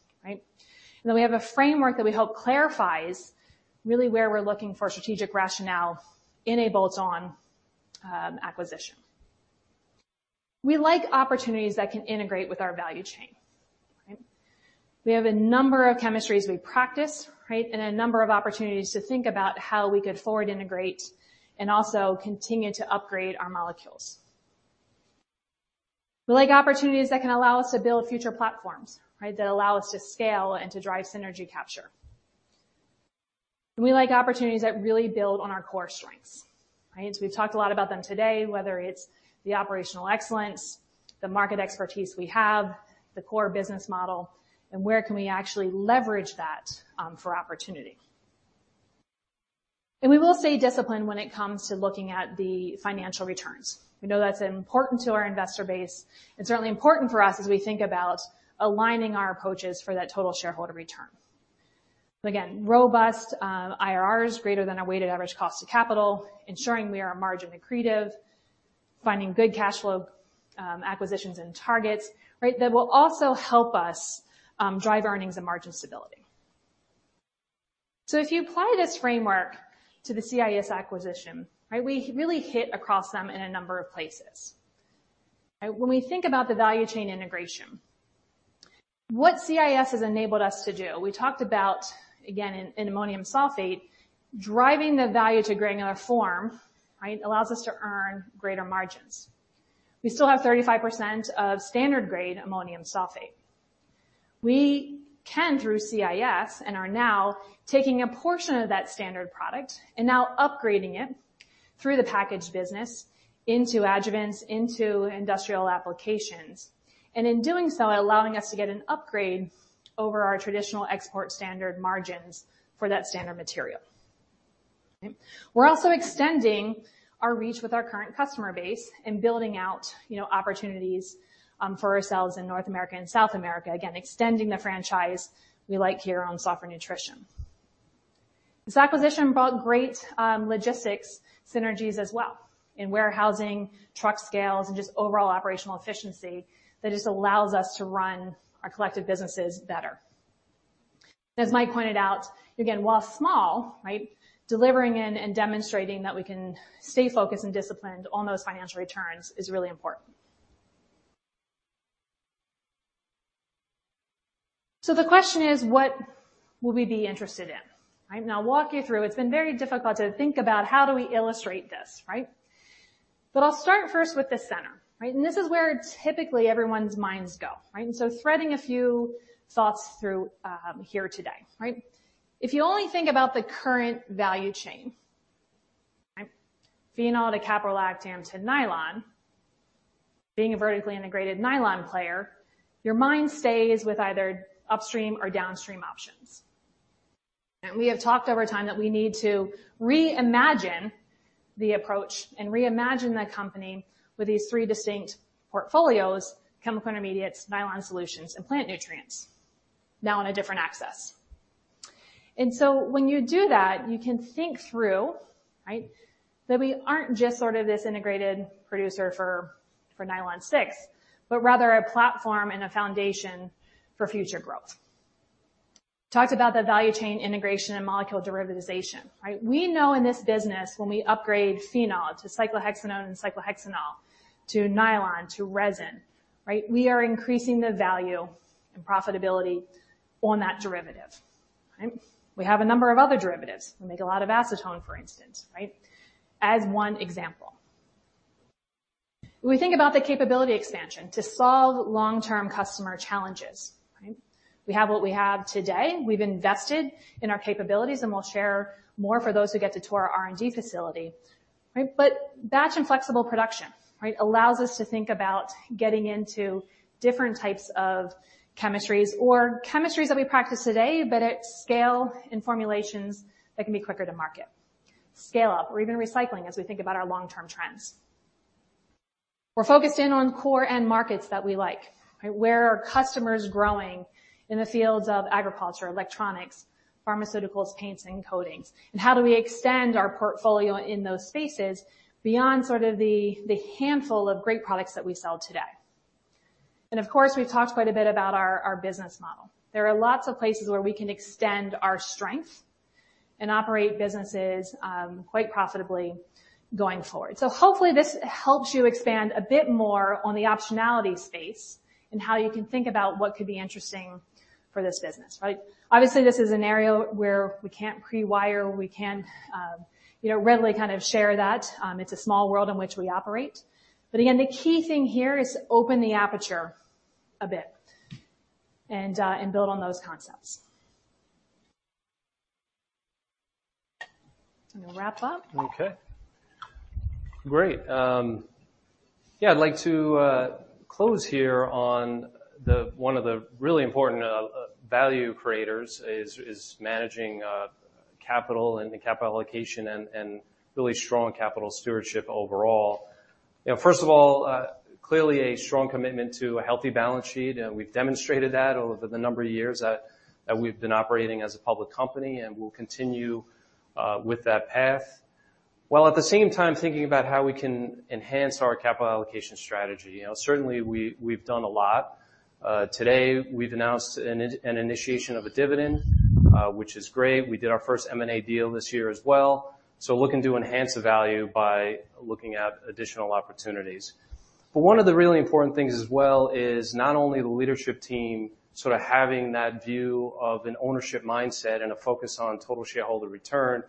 Then we have a framework that we hope clarifies really where we're looking for strategic rationale in a bolt-on acquisition. We like opportunities that can integrate with our value chain. We have a number of chemistries we practice, and a number of opportunities to think about how we could forward integrate and also continue to upgrade our molecules. We like opportunities that can allow us to build future platforms. That allow us to scale and to drive synergy capture. We like opportunities that really build on our core strengths. We've talked a lot about them today, whether it's the operational excellence, the market expertise we have, the core business model, and where can we actually leverage that for opportunity. We will stay disciplined when it comes to looking at the financial returns. We know that's important to our investor base, and certainly important for us as we think about aligning our approaches for that total shareholder return. Robust IRRs greater than our weighted average cost of capital, ensuring we are margin accretive, finding good cash flow, acquisitions, and targets. That will also help us drive earnings and margin stability. If you apply this framework to the CIS acquisition, we really hit across them in a number of places. When we think about the value chain integration, what CIS has enabled us to do, we talked about, again, in ammonium sulfate, driving the value to granular form, allows us to earn greater margins. We still have 35% of standard grade ammonium sulfate. We can, through CIS, and are now taking a portion of that standard product and now upgrading it through the packaged business into adjuvants, into industrial applications. In doing so, allowing us to get an upgrade over our traditional export standard margins for that standard material. We're also extending our reach with our current customer base and building out opportunities for ourselves in North America and South America, again, extending the franchise we like here on Plant Nutrients. This acquisition brought great logistics synergies as well in warehousing, truck scales, and just overall operational efficiency that just allows us to run our collective businesses better. As Mike pointed out, again, while small, delivering in and demonstrating that we can stay focused and disciplined on those financial returns is really important. The question is, what will we be interested in? I'll walk you through. It's been very difficult to think about how do we illustrate this. I'll start first with the center. This is where typically everyone's minds go. Threading a few thoughts through here today. If you only think about the current value chain, phenol to caprolactam to nylon, being a vertically integrated nylon player, your mind stays with either upstream or downstream options. We have talked over time that we need to reimagine the approach and reimagine the company with these three distinct portfolios: Chemical Intermediates, Nylon Solutions, and Plant Nutrients, now in a different axis. When you do that, you can think through that we aren't just sort of this integrated producer for Nylon 6, but rather a platform and a foundation for future growth. Talked about the value chain integration and molecule derivatization. We know in this business when we upgrade phenol to cyclohexanone and cyclohexanol to nylon to resin, we are increasing the value and profitability on that derivative. We have a number of other derivatives. We make a lot of acetone, for instance. As one example. We think about the capability expansion to solve long-term customer challenges. We have what we have today. We've invested in our capabilities, and we'll share more for those who get to tour our R&D facility. Batch and flexible production allows us to think about getting into different types of chemistries or chemistries that we practice today, but at scale in formulations that can be quicker to market, scale up, or even recycling as we think about our long-term trends. We're focused in on core end markets that we like. Where are customers growing in the fields of agriculture, electronics, pharmaceuticals, paints, and coatings? How do we extend our portfolio in those spaces beyond sort of the handful of great products that we sell today? Of course, we've talked quite a bit about our business model. There are lots of places where we can extend our strength and operate businesses quite profitably going forward. Hopefully this helps you expand a bit more on the optionality space and how you can think about what could be interesting for this business. Obviously, this is an area where we can't pre-wire, we can't readily kind of share that. It's a small world in which we operate. Again, the key thing here is open the aperture a bit and build on those concepts. I'm going to wrap up. Okay. Great. Yeah, I'd like to close here on one of the really important value creators is managing capital and capital allocation and really strong capital stewardship overall. First of all, clearly a strong commitment to a healthy balance sheet, and we've demonstrated that over the number of years that we've been operating as a public company, and we'll continue with that path, while at the same time thinking about how we can enhance our capital allocation strategy. Certainly, we've done a lot. Today, we've announced an initiation of a dividend. Which is great. We did our first M&A deal this year as well. Looking to enhance the value by looking at additional opportunities. One of the really important things as well is not only the leadership team sort of having that view of an ownership mindset and a focus on total shareholder return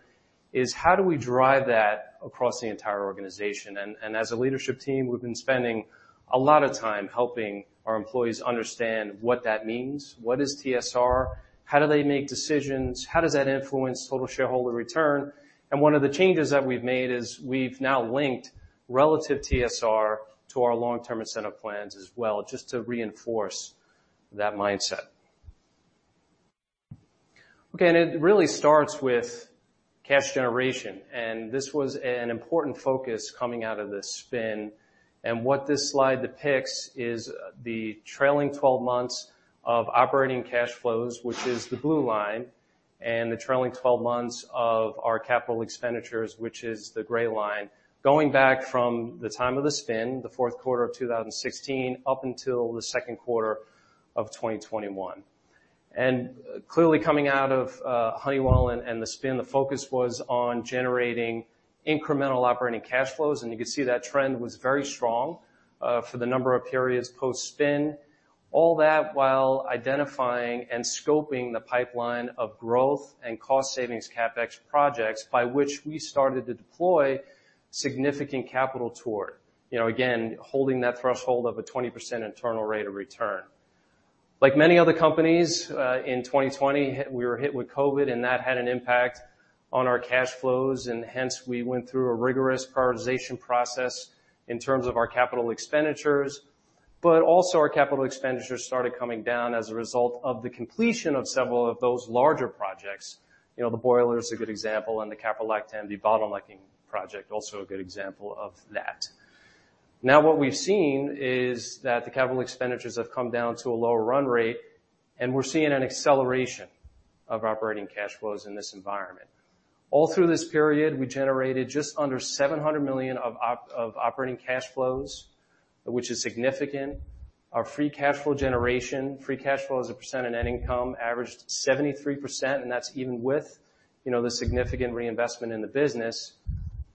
is how do we drive that across the entire organization? As a leadership team, we've been spending a lot of time helping our employees understand what that means. What is TSR? How do they make decisions? How does that influence total shareholder return? One of the changes that we've made is we've now linked relative TSR to our long-term incentive plans as well, just to reinforce that mindset. Okay, it really starts with cash generation, and this was an important focus coming out of the spin. What this slide depicts is the trailing 12 months of operating cash flows, which is the blue line, and the trailing 12 months of our capital expenditures, which is the gray line, going back from the time of the spin, the fourth quarter of 2016, up until the second quarter of 2021. Clearly, coming out of Honeywell and the spin, the focus was on generating incremental operating cash flows, and you can see that trend was very strong for the number of periods post-spin, all that while identifying and scoping the pipeline of growth and cost savings CapEx projects by which we started to deploy significant capital toward. Again, holding that threshold of a 20% internal rate of return. Like many other companies, in 2020, we were hit with COVID, and that had an impact on our cash flows, and hence we went through a rigorous prioritization process in terms of our capital expenditures. Also, our capital expenditures started coming down as a result of the completion of several of those larger projects. The boiler is a good example, and the caprolactam debottlenecking project, also a good example of that. Now, what we've seen is that the capital expenditures have come down to a lower run rate, and we're seeing an acceleration of operating cash flows in this environment. All through this period, we generated just under $700 million of operating cash flows, which is significant. Our free cash flow generation, free cash flow as a percent of net income averaged 73%, and that's even with the significant reinvestment in the business.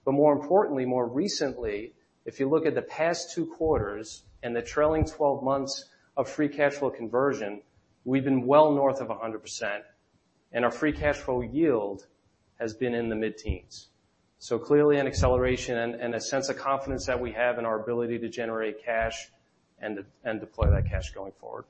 More importantly, more recently, if you look at the past 2 quarters and the trailing 12 months of free cash flow conversion, we've been well north of 100%, and our free cash flow yield has been in the mid-teens. Clearly, an acceleration and a sense of confidence that we have in our ability to generate cash and deploy that cash going forward.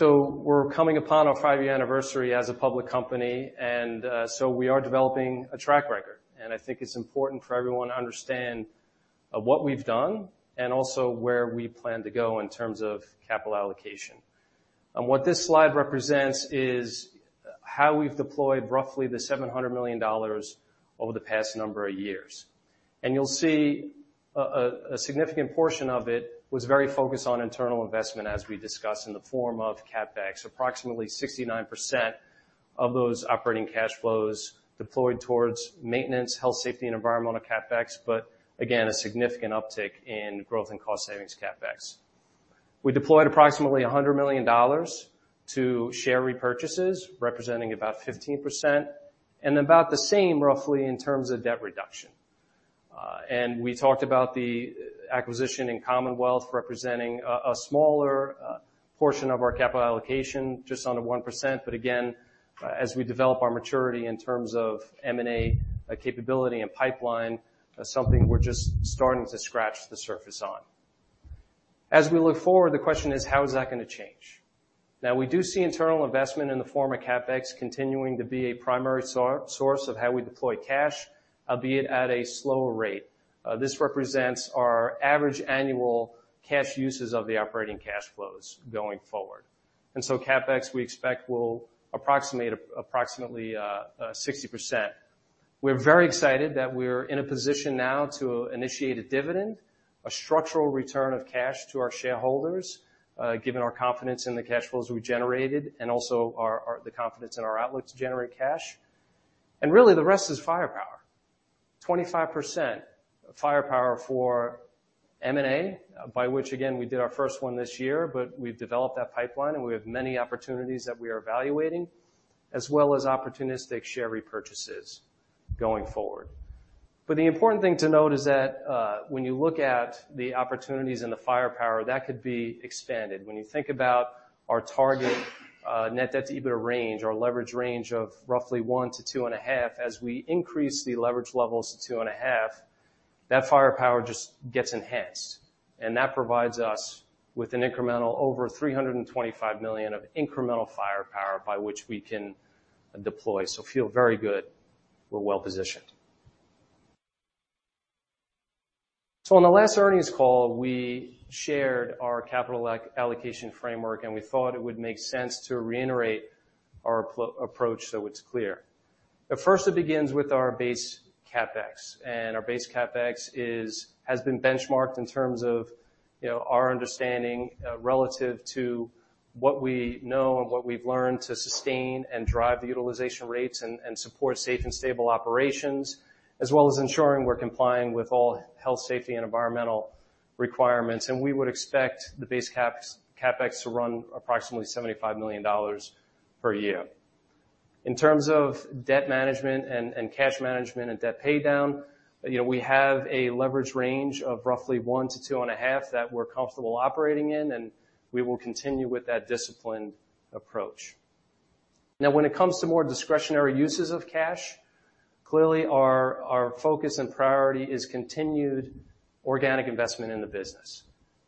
We're coming upon our 5-year anniversary as a public company, and so we are developing a track record. I think it's important for everyone to understand what we've done and also where we plan to go in terms of capital allocation. What this slide represents is how we've deployed roughly the $700 million over the past number of years. You'll see a significant portion of it was very focused on internal investment, as we discussed, in the form of CapEx. Approximately 69% of those operating cash flows deployed towards maintenance, health, safety, and environmental CapEx, but again, a significant uptick in growth and cost savings CapEx. We deployed approximately $100 million to share repurchases, representing about 15%, and about the same, roughly, in terms of debt reduction. We talked about the acquisition in Commonwealth representing a smaller portion of our capital allocation, just under 1%. Again, as we develop our maturity in terms of M&A capability and pipeline, that's something we're just starting to scratch the surface on. As we look forward, the question is, how is that going to change? We do see internal investment in the form of CapEx continuing to be a primary source of how we deploy cash, albeit at a slower rate. This represents our average annual cash uses of the operating cash flows going forward. CapEx, we expect, will approximate 60%. We're very excited that we're in a position now to initiate a dividend, a structural return of cash to our shareholders, given our confidence in the cash flows we generated and also the confidence in our outlook to generate cash. Really, the rest is firepower. 25% firepower for M&A, by which, again, we did our first one this year, but we've developed that pipeline, and we have many opportunities that we are evaluating, as well as opportunistic share repurchases going forward. The important thing to note is that when you look at the opportunities and the firepower, that could be expanded. When you think about our target net debt to EBITDA range or leverage range of roughly 1 to 2.5, as we increase the leverage levels to 2.5, that firepower just gets enhanced. That provides us with an incremental over $325 million of incremental firepower by which we can deploy. Feel very good we're well-positioned. On the last earnings call, we shared our capital allocation framework, and we thought it would make sense to reiterate our approach so it's clear. First, it begins with our base CapEx. Our base CapEx has been benchmarked in terms of our understanding relative to what we know and what we've learned to sustain and drive the utilization rates and support safe and stable operations, as well as ensuring we're complying with all health, safety, and environmental requirements. We would expect the base CapEx to run approximately $75 million per year. In terms of debt management and cash management and debt paydown, we have a leverage range of roughly 1 to 2.5 that we're comfortable operating in, and we will continue with that disciplined approach. Now, when it comes to more discretionary uses of cash, clearly our focus and priority is continued organic investment in the business.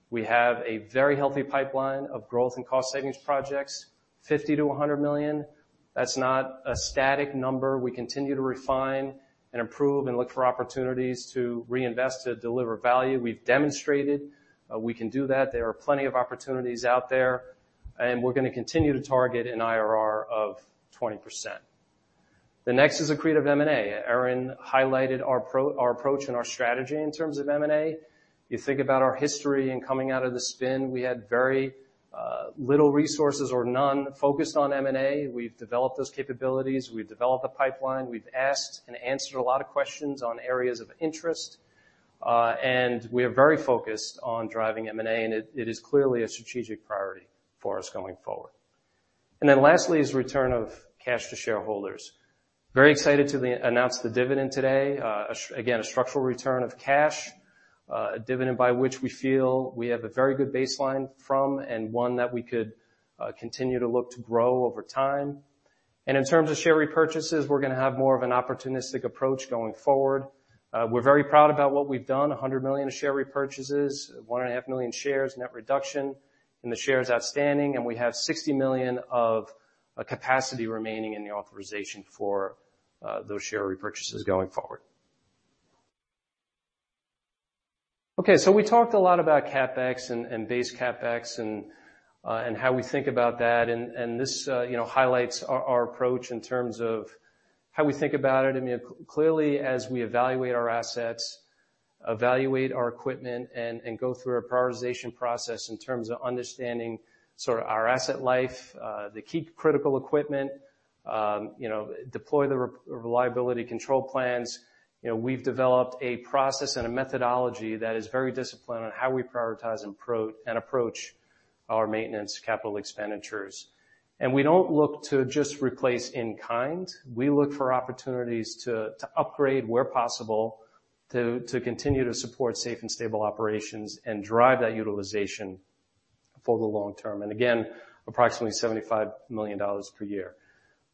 We have a very healthy pipeline of growth and cost savings projects, $50 million to $100 million. That's not a static number. We continue to refine and improve and look for opportunities to reinvest to deliver value. We've demonstrated we can do that. There are plenty of opportunities out there, and we're going to continue to target an IRR of 20%. The next is accretive M&A. Erin highlighted our approach and our strategy in terms of M&A. You think about our history, coming out of the spin, we had very little resources or none focused on M&A. We've developed those capabilities. We've developed a pipeline. We've asked and answered a lot of questions on areas of interest. We are very focused on driving M&A, and it is clearly a strategic priority for us going forward. Lastly is return of cash to shareholders. Very excited to announce the dividend today. Again, a structural return of cash. A dividend by which we feel we have a very good baseline from and one that we could continue to look to grow over time. In terms of share repurchases, we're going to have more of an opportunistic approach going forward. We're very proud about what we've done, $100 million of share repurchases, 1.5 million shares net reduction in the shares outstanding, we have $60 million of capacity remaining in the authorization for those share repurchases going forward. We talked a lot about CapEx and base CapEx, how we think about that. This highlights our approach in terms of how we think about it. Clearly, as we evaluate our assets, evaluate our equipment, go through a prioritization process in terms of understanding our asset life, the key critical equipment, deploy the reliability control plans. We've developed a process and a methodology that is very disciplined on how we prioritize and approach our maintenance capital expenditures. We don't look to just replace in kind. We look for opportunities to upgrade where possible to continue to support safe and stable operations and drive that utilization for the long term. Approximately $75 million per year.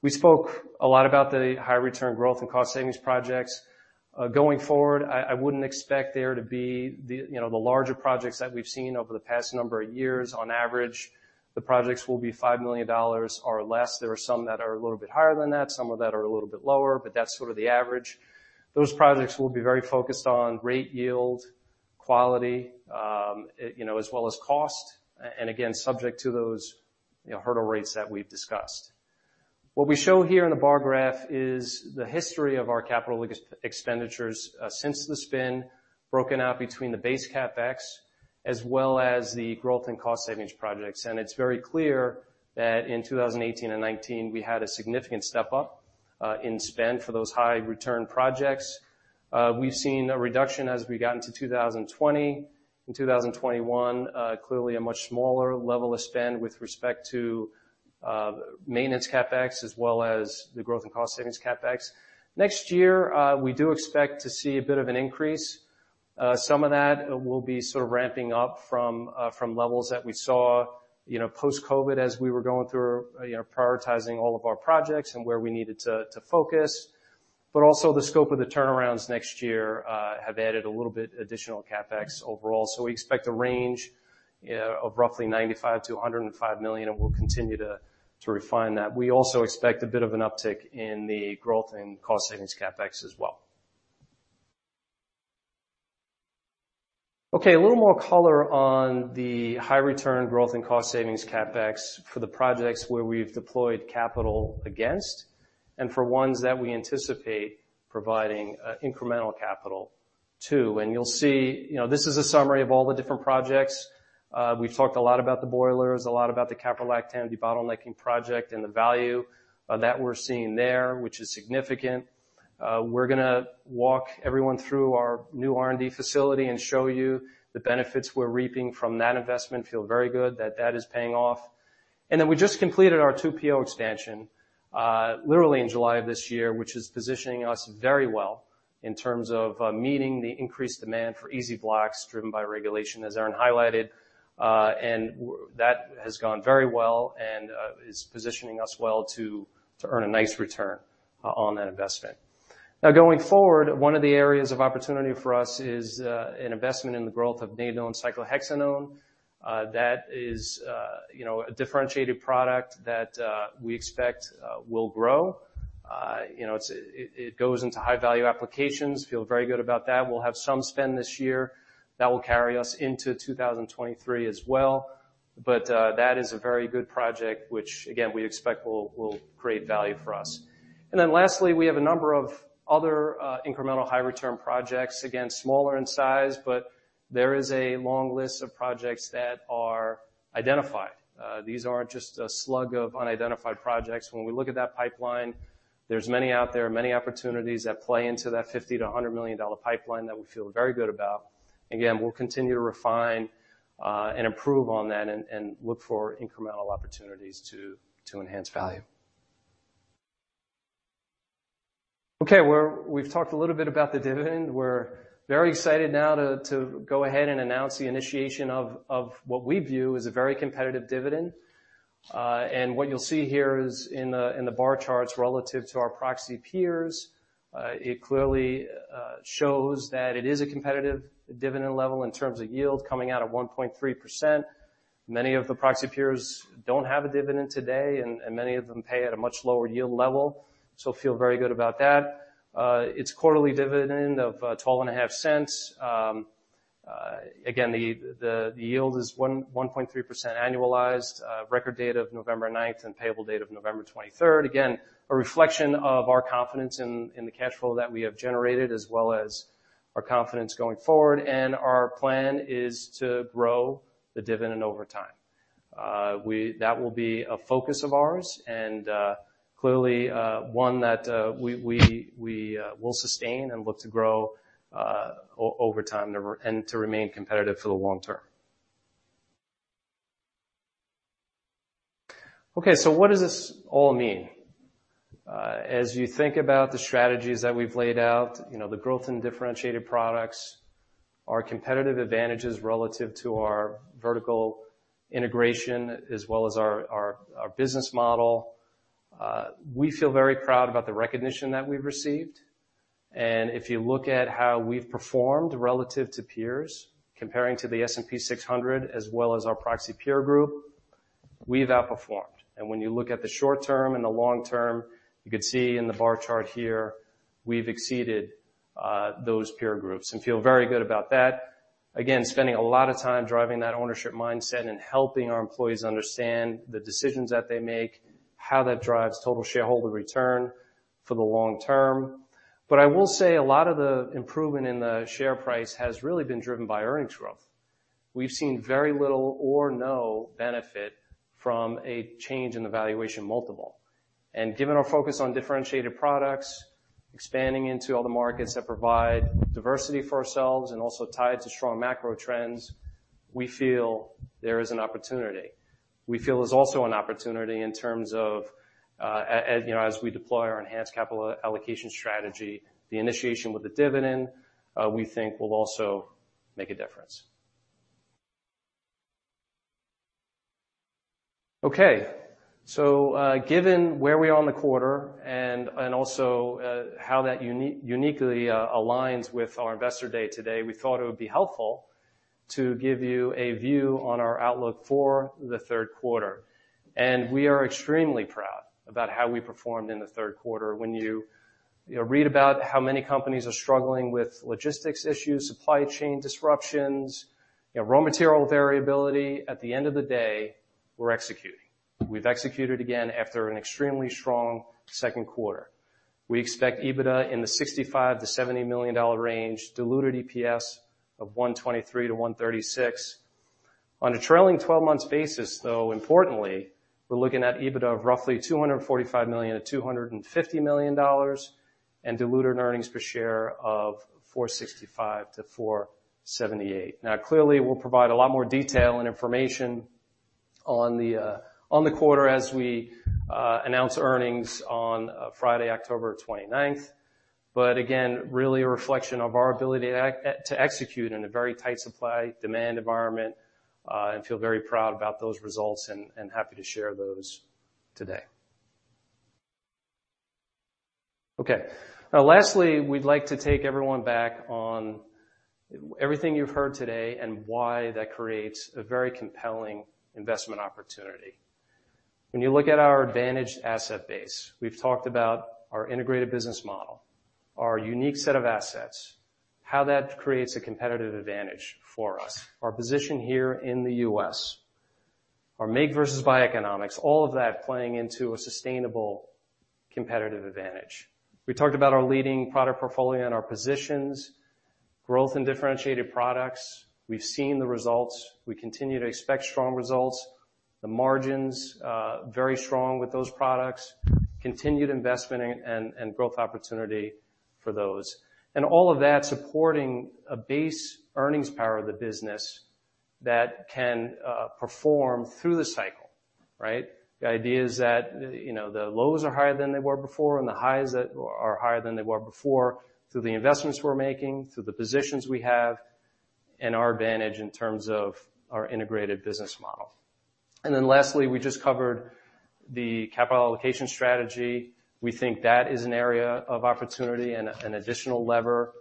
We spoke a lot about the high return growth and cost savings projects. Going forward, I wouldn't expect there to be the larger projects that we've seen over the past number of years. On average, the projects will be $5 million or less. There are some that are a little bit higher than that, some that are a little bit lower, but that's sort of the average. Those projects will be very focused on rate yield, quality, as well as cost. Subject to those hurdle rates that we've discussed. What we show here in the bar graph is the history of our capital expenditures since the spin, broken out between the base CapEx as well as the growth and cost savings projects. It's very clear that in 2018 and 2019, we had a significant step-up in spend for those high return projects. We've seen a reduction as we got into 2020. In 2021, clearly a much smaller level of spend with respect to maintenance CapEx as well as the growth and cost savings CapEx. Next year, we do expect to see a bit of an increase. Some of that will be sort of ramping up from levels that we saw post-COVID as we were going through prioritizing all of our projects and where we needed to focus. Also the scope of the turnarounds next year have added a little bit additional CapEx overall. We expect a range of roughly $95 million-$105 million, and we'll continue to refine that. We also expect a bit of an uptick in the growth and cost savings CapEx as well. A little more color on the high return growth and cost savings CapEx for the projects where we've deployed capital against, and for ones that we anticipate providing incremental capital to. You'll see, this is a summary of all the different projects. We've talked a lot about the boilers, a lot about the caprolactam debottlenecking project and the value that we're seeing there, which is significant. We're going to walk everyone through our new R&D facility and show you the benefits we're reaping from that investment. Feel very good that that is paying off. We just completed our 2-PO expansion, literally in July of this year, which is positioning us very well in terms of meeting the increased demand for EZ-Blox driven by regulation, as Erin highlighted. That has gone very well and is positioning us well to earn a nice return on that investment. Now, going forward, one of the areas of opportunity for us is an investment in the growth of Nadone and cyclohexanone. That is a differentiated product that we expect will grow. It goes into high-value applications. Feel very good about that. We'll have some spend this year that will carry us into 2023 as well. That is a very good project, which again, we expect will create value for us. Lastly, we have a number of other incremental high return projects. Again, smaller in size, but there is a long list of projects that are identified. These aren't just a slug of unidentified projects. When we look at that pipeline. There's many out there, many opportunities that play into that $50 million-$100 million pipeline that we feel very good about. Again, we'll continue to refine and improve on that, look for incremental opportunities to enhance value. Okay, we've talked a little bit about the dividend. We're very excited now to go ahead and announce the initiation of what we view as a very competitive dividend. What you'll see here is in the bar charts relative to our proxy peers, it clearly shows that it is a competitive dividend level in terms of yield coming out of 1.3%. Many of the proxy peers don't have a dividend today, many of them pay at a much lower yield level. Feel very good about that. Its quarterly dividend of $0.125. Again, the yield is 1.3% annualized, record date of November 9th and payable date of November 23rd. Again, a reflection of our confidence in the cash flow that we have generated as well as our confidence going forward. Our plan is to grow the dividend over time. That will be a focus of ours and, clearly, one that we will sustain and look to grow over time and to remain competitive for the long term. What does this all mean? As you think about the strategies that we've laid out, the growth in differentiated products, our competitive advantages relative to our vertical integration as well as our business model, we feel very proud about the recognition that we've received. If you look at how we've performed relative to peers, comparing to the S&P 600 as well as our proxy peer group, we've outperformed. When you look at the short term and the long term, you could see in the bar chart here, we've exceeded those peer groups and feel very good about that. Again, spending a lot of time driving that ownership mindset and helping our employees understand the decisions that they make, how that drives total shareholder return for the long term. I will say a lot of the improvement in the share price has really been driven by earnings growth. We've seen very little or no benefit from a change in the valuation multiple. Given our focus on differentiated products, expanding into all the markets that provide diversity for ourselves and also tied to strong macro trends, we feel there is an opportunity. We feel there's also an opportunity in terms of as we deploy our enhanced capital allocation strategy, the initiation with the dividend, we think will also make a difference. Okay. Given where we are on the quarter and also how that uniquely aligns with our Investor Day today, we thought it would be helpful to give you a view on our outlook for the third quarter. We are extremely proud about how we performed in the third quarter. When you read about how many companies are struggling with logistics issues, supply chain disruptions, raw material variability, at the end of the day, we are executing. We have executed again after an extremely strong second quarter. We expect EBITDA in the $65 million-$70 million range, diluted EPS of $123-$136. On a trailing 12 months basis, though, importantly, we're looking at EBITDA of roughly $245 million-$250 million, and diluted earnings per share of $465-$478. Clearly, we'll provide a lot more detail and information on the quarter as we announce earnings on Friday, October 29th. Again, really a reflection of our ability to execute in a very tight supply demand environment, and feel very proud about those results and happy to share those today. Okay. Lastly, we'd like to take everyone back on everything you've heard today and why that creates a very compelling investment opportunity. You look at our advantaged asset base, we've talked about our integrated business model, our unique set of assets, how that creates a competitive advantage for us, our position here in the U.S., our make versus buy economics, all of that playing into a sustainable competitive advantage. We talked about our leading product portfolio and our positions, growth in differentiated products. We've seen the results. We continue to expect strong results. The margins, very strong with those products. Continued investment and growth opportunity for those. All of that supporting a base earnings power of the business that can perform through the cycle. Right? The idea is that the lows are higher than they were before, and the highs are higher than they were before, through the investments we're making, through the positions we have, and our advantage in terms of our integrated business model. Lastly, we just covered the capital allocation strategy. We think that is an area of opportunity and an additional lever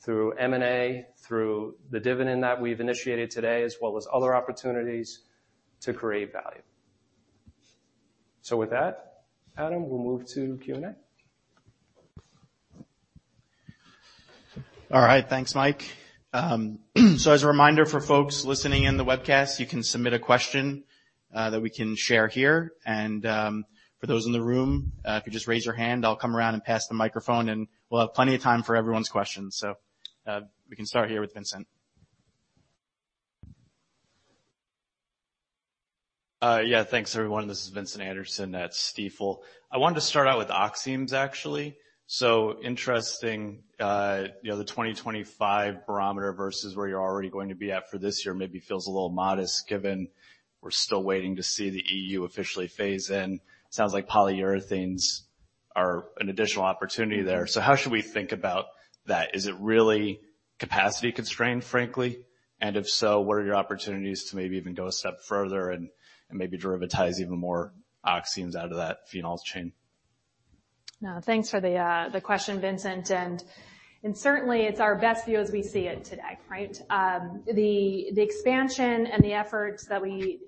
through M&A, through the dividend that we've initiated today, as well as other opportunities to create value. With that, Adam, we'll move to Q&A. All right. Thanks, Mike. As a reminder for folks listening in the webcast, you can submit a question that we can share here. For those in the room, if you just raise your hand, I'll come around and pass the microphone, and we'll have plenty of time for everyone's questions. We can start here with Vincent. Yeah. Thanks, everyone. This is Vincent Anderson at Stifel. I wanted to start out with oximes, actually. Interesting, the 2025 barometer versus where you're already going to be at for this year maybe feels a little modest, given we're still waiting to see the EU officially phase in. Sounds like polyurethanes are an additional opportunity there. How should we think about that? Is it really capacity constrained, frankly? If so, what are your opportunities to maybe even go a step further and maybe derivatize even more oximes out of that phenols chain? Thanks for the question, Vincent. Certainly it's our best view as we see it today, right? The expansion and the efforts that we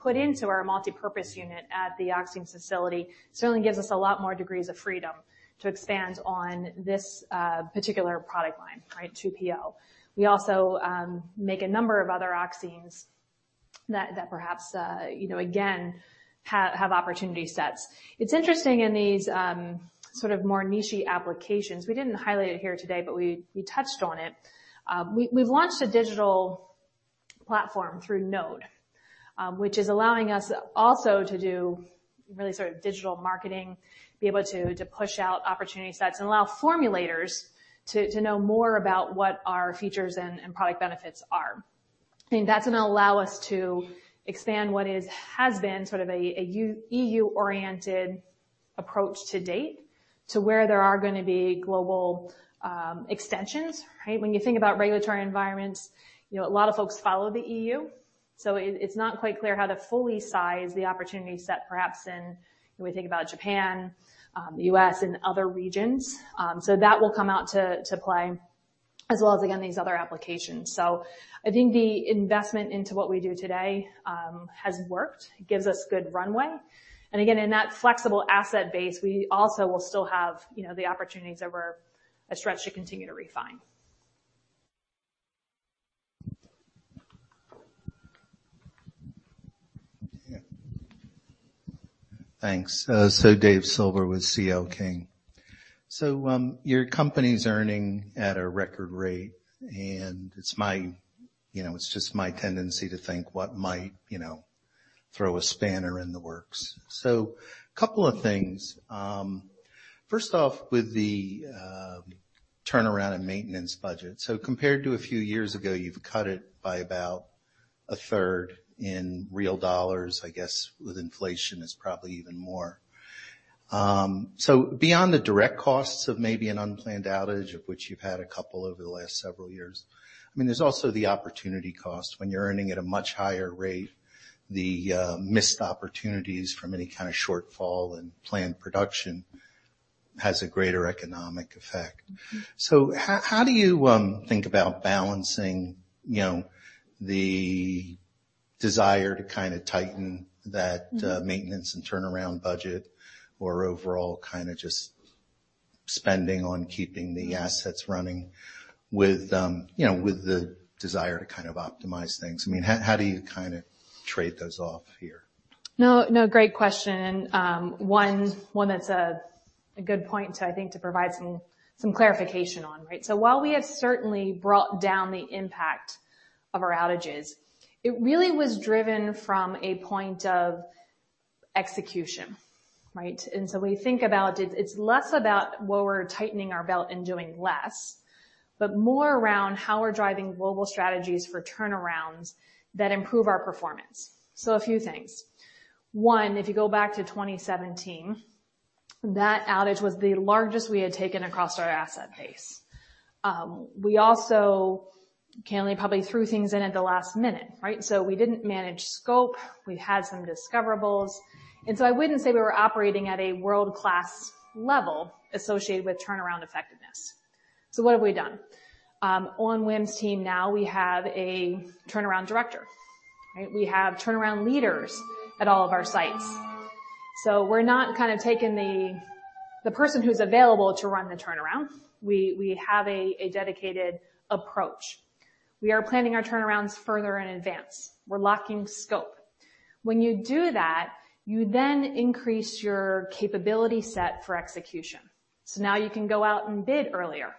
put into our multipurpose unit at the oximes facility certainly gives us a lot more degrees of freedom to expand on this particular product line, right, 2-PO. We also make a number of other oximes that perhaps, again, have opportunity sets. It's interesting in these sort of more niche applications, we didn't highlight it here today. We touched on it. We've launched a digital platform through Node, which is allowing us also to do really sort of digital marketing, be able to push out opportunity sets and allow formulators to know more about what our features and product benefits are. I think that's going to allow us to expand what has been sort of a EU-oriented approach to date to where there are going to be global extensions, right? When you think about regulatory environments, a lot of folks follow the EU, it's not quite clear how to fully size the opportunity set, perhaps in, when we think about Japan, the U.S., and other regions. That will come out to play as well as, again, these other applications. I think the investment into what we do today has worked. It gives us good runway. Again, in that flexible asset base, we also will still have the opportunities over a stretch to continue to refine. Yeah. Thanks. Dave Silver with C.L. King. Your company's earning at a record rate, and it's just my tendency to think what might throw a spanner in the works. Couple of things. First off, with the turnaround and maintenance budget. Compared to a few years ago, you've cut it by about a third in real dollars, I guess, with inflation, it's probably even more. Beyond the direct costs of maybe an unplanned outage, of which you've had a couple over the last several years, there's also the opportunity cost when you're earning at a much higher rate, the missed opportunities from any kind of shortfall in planned production has a greater economic effect. How do you think about balancing the desire to kind of tighten. Maintenance and turnaround budget or overall kind of just spending on keeping the assets running with the desire to kind of optimize things? How do you kind of trade those off here? No, great question. One that's a good point to, I think, to provide some clarification on, right? While we have certainly brought down the impact of our outages, it really was driven from a point of execution, right? We think about it's less about, well, we're tightening our belt and doing less, but more around how we're driving global strategies for turnarounds that improve our performance. A few things. One, if you go back to 2017, that outage was the largest we had taken across our asset base. We also can only probably threw things in at the last minute, right? We didn't manage scope. We had some discoverables, and so I wouldn't say we were operating at a world-class level associated with turnaround effectiveness. What have we done? On Wim's team now we have a turnaround director, right? We have turnaround leaders at all of our sites. We're not kind of taking the person who's available to run the turnaround. We have a dedicated approach. We are planning our turnarounds further in advance. We're locking scope. When you do that, you then increase your capability set for execution. Now you can go out and bid earlier.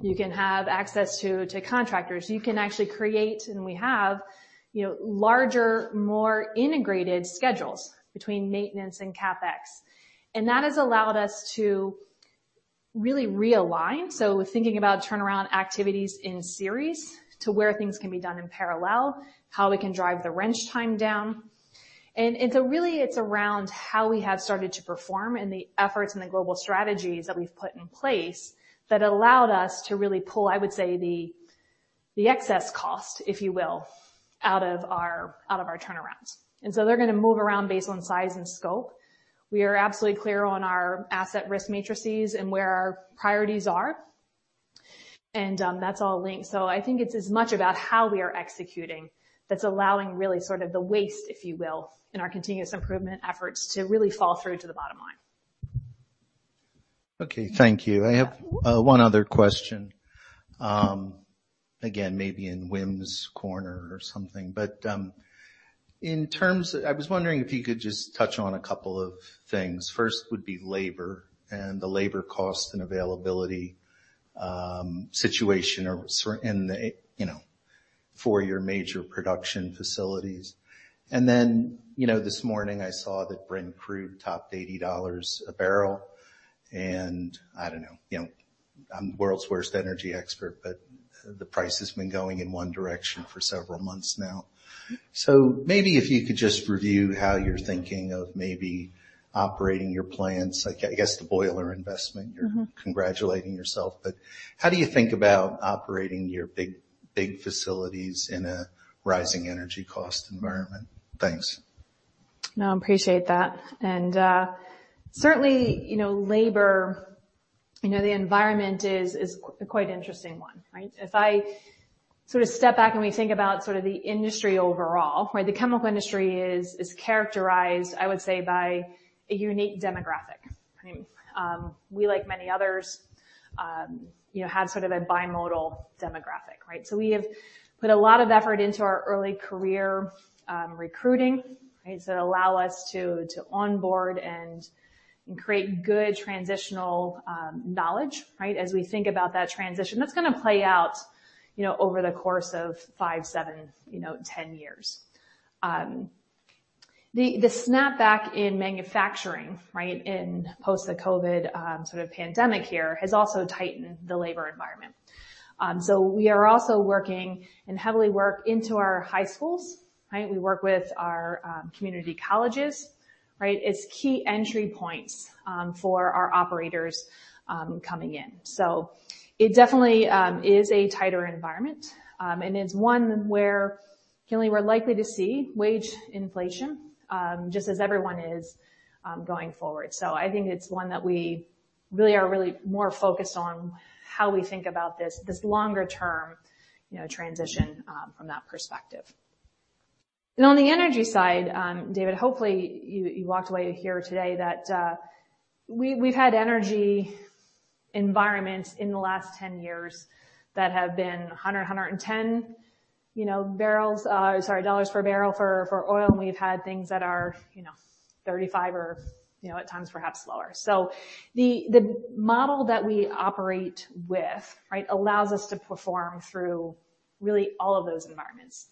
You can have access to contractors. You can actually create, and we have larger, more integrated schedules between maintenance and CapEx. That has allowed us to really realign. Thinking about turnaround activities in series to where things can be done in parallel, how we can drive the wrench time down. Really it's around how we have started to perform and the efforts and the global strategies that we've put in place that allowed us to really pull, I would say, the excess cost, if you will, out of our turnarounds. They're going to move around based on size and scope. We are absolutely clear on our asset risk matrices and where our priorities are, and that's all linked. I think it's as much about how we are executing that's allowing really sort of the waste, if you will, in our continuous improvement efforts to really fall through to the bottom line. Okay, thank you. I have one other question. Again, maybe in Wim's corner or something. I was wondering if you could just touch on a couple of things. First would be labor and the labor cost and availability situation in the four major production facilities. This morning I saw that Brent crude topped $80 a barrel. I don't know. I'm the world's worst energy expert, the price has been going in one direction for several months now. Maybe if you could just review how you're thinking of maybe operating your plants, I guess the boiler investment- You're congratulating yourself. How do you think about operating your big facilities in a rising energy cost environment? Thanks. No, appreciate that. Certainly, labor, the environment is a quite interesting one, right? If I step back and we think about the industry overall, the chemical industry is characterized, I would say, by a unique demographic. We, like many others, have a bimodal demographic, right? We have put a lot of effort into our early career recruiting, right, that allow us to onboard and create good transitional knowledge, right? As we think about that transition, that's going to play out over the course of 5, 7, 10 years. The snapback in manufacturing, right, in post-COVID pandemic here has also tightened the labor environment. We are also working and heavily work into our high schools, right? We work with our community colleges, right, as key entry points for our operators coming in. It definitely is a tighter environment. It's one where, Kelly, we're likely to see wage inflation, just as everyone is, going forward. I think it's one that we really are more focused on how we think about this longer-term transition from that perspective. On the energy side, David, hopefully you walked away here today that we've had energy environments in the last 10 years that have been $100, $110 per barrel for oil, and we've had things that are $35 or, at times, perhaps lower. The model that we operate with, right, allows us to perform through really all of those environments.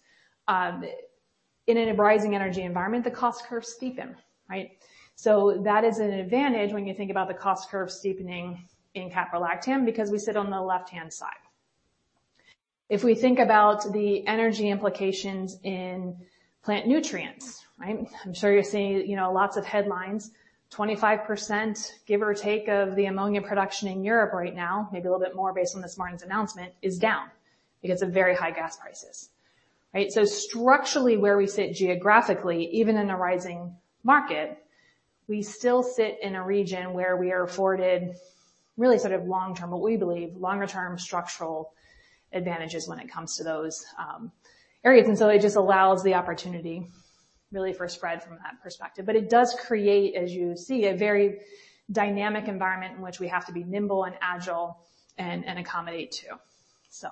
In a rising energy environment, the cost curves steepen, right? That is an advantage when you think about the cost curve steepening in caprolactam because we sit on the left-hand side. If we think about the energy implications in Plant Nutrients, right? I'm sure you're seeing lots of headlines, 25%, give or take, of the ammonia production in Europe right now, maybe a little bit more based on this morning's announcement, is down because of very high gas prices. Right? Structurally, where we sit geographically, even in a rising market, we still sit in a region where we are afforded really long-term, what we believe, longer-term structural advantages when it comes to those areas. It just allows the opportunity really for spread from that perspective. It does create, as you see, a very dynamic environment in which we have to be nimble and agile and accommodate too.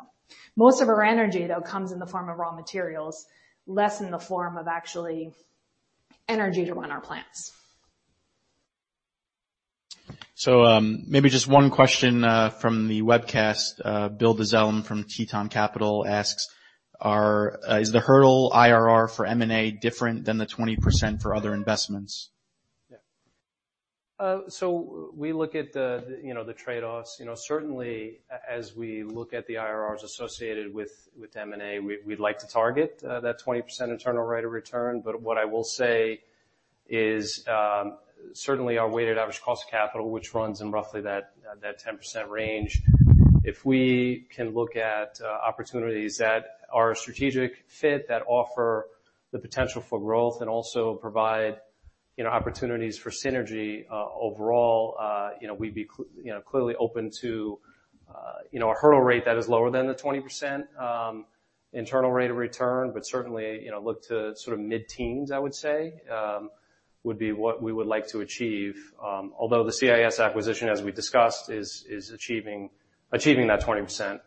Most of our energy, though, comes in the form of raw materials, less in the form of actually energy to run our plants. Maybe just one question from the webcast. Bill Dezellem from Teton Capital asks, "Is the hurdle IRR for M&A different than the 20% for other investments? We look at the trade-offs. Certainly, as we look at the IRRs associated with M&A, we'd like to target that 20% internal rate of return. What I will say is, certainly our weighted average cost of capital, which runs in roughly that 10% range. If we can look at opportunities that are a strategic fit that offer the potential for growth and also provide opportunities for synergy overall, we'd be clearly open to a hurdle rate that is lower than the 20% internal rate of return. Certainly, look to mid-teens, I would say, would be what we would like to achieve. Although the CIS acquisition, as we discussed, is achieving that 20%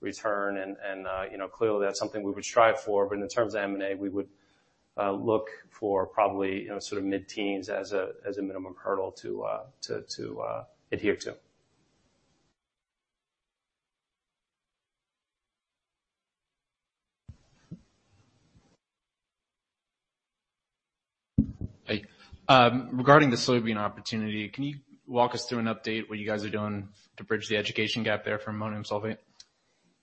return, and clearly, that's something we would strive for. In terms of M&A, we would look for probably mid-teens as a minimum hurdle to adhere to. Hey. Regarding the soybean opportunity, can you walk us through an update, what you guys are doing to bridge the education gap there for ammonium sulfate?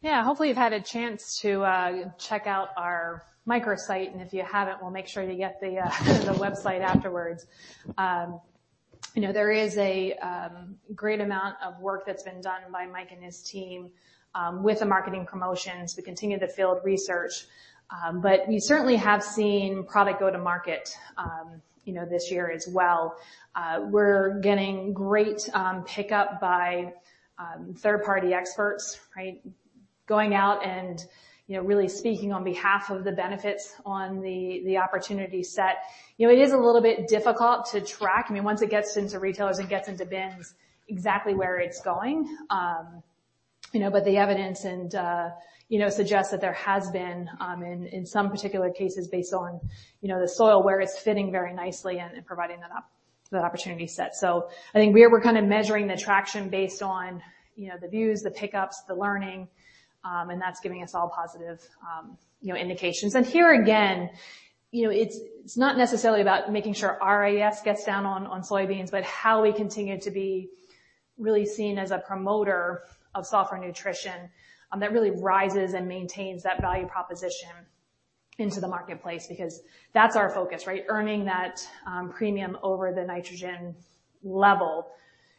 Hopefully, you've had a chance to check out our microsite, and if you haven't, we'll make sure to get the website afterwards. There is a great amount of work that's been done by Mike and his team with the marketing promotions to continue the field research. We certainly have seen product go to market this year as well. We're getting great pickup by third-party experts, right, going out and really speaking on behalf of the benefits on the opportunity set. It is a little bit difficult to track, I mean, once it gets into retailers and gets into bins exactly where it's going. Yeah. The evidence suggests that there has been, in some particular cases, based on the soil, where it's fitting very nicely and providing that opportunity set. I think we're kind of measuring the traction based on the views, the pickups, the learning, and that's giving us all positive indications. Here again, it's not necessarily about making sure AS gets down on soybeans, but how we continue to be really seen as a promoter of sulfur nutrition that really rises and maintains that value proposition into the marketplace, because that's our focus, right? Earning that premium over the nitrogen level.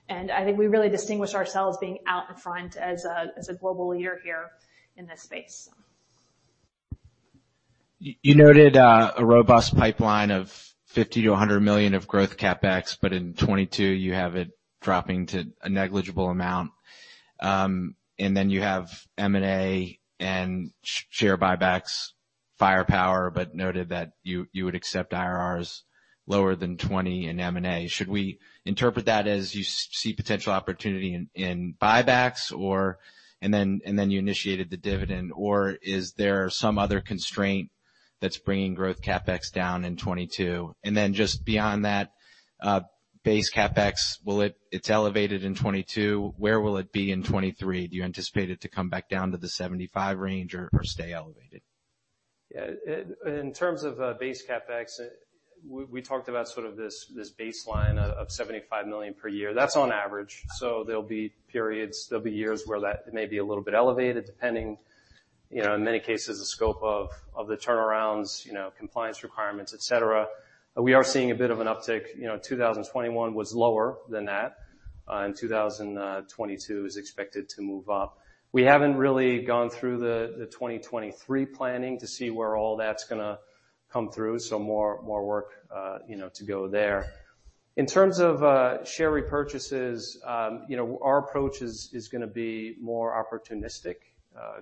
I think we really distinguish ourselves being out in front as a global leader here in this space. You noted a robust pipeline of $50 million-$100 million of growth CapEx. In 2022 you have it dropping to a negligible amount. You have M&A and share buybacks firepower, but noted that you would accept IRRs lower than 20% in M&A. Should we interpret that as you see potential opportunity in buybacks, and then you initiated the dividend, or is there some other constraint that's bringing growth CapEx down in 2022? Just beyond that, base CapEx, it's elevated in 2022. Where will it be in 2023? Do you anticipate it to come back down to the $75 million range or stay elevated? In terms of base CapEx, we talked about sort of this baseline of $75 million per year. That's on average. There'll be periods, there'll be years where that may be a little bit elevated, depending, in many cases, the scope of the turnarounds, compliance requirements, et cetera. We are seeing a bit of an uptick. 2021 was lower than that. 2022 is expected to move up. We haven't really gone through the 2023 planning to see where all that's going to come through. More work to go there. In terms of share repurchases, our approach is going to be more opportunistic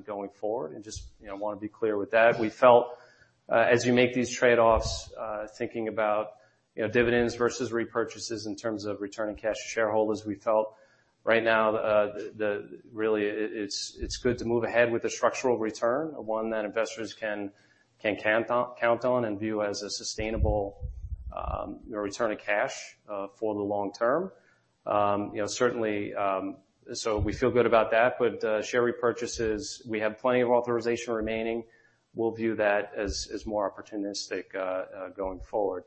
going forward and just want to be clear with that. We felt as you make these trade-offs, thinking about dividends versus repurchases in terms of returning cash to shareholders, we felt right now, really it's good to move ahead with a structural return, one that investors can count on and view as a sustainable return of cash for the long term. Certainly, we feel good about that. Share repurchases, we have plenty of authorization remaining. We'll view that as more opportunistic going forward.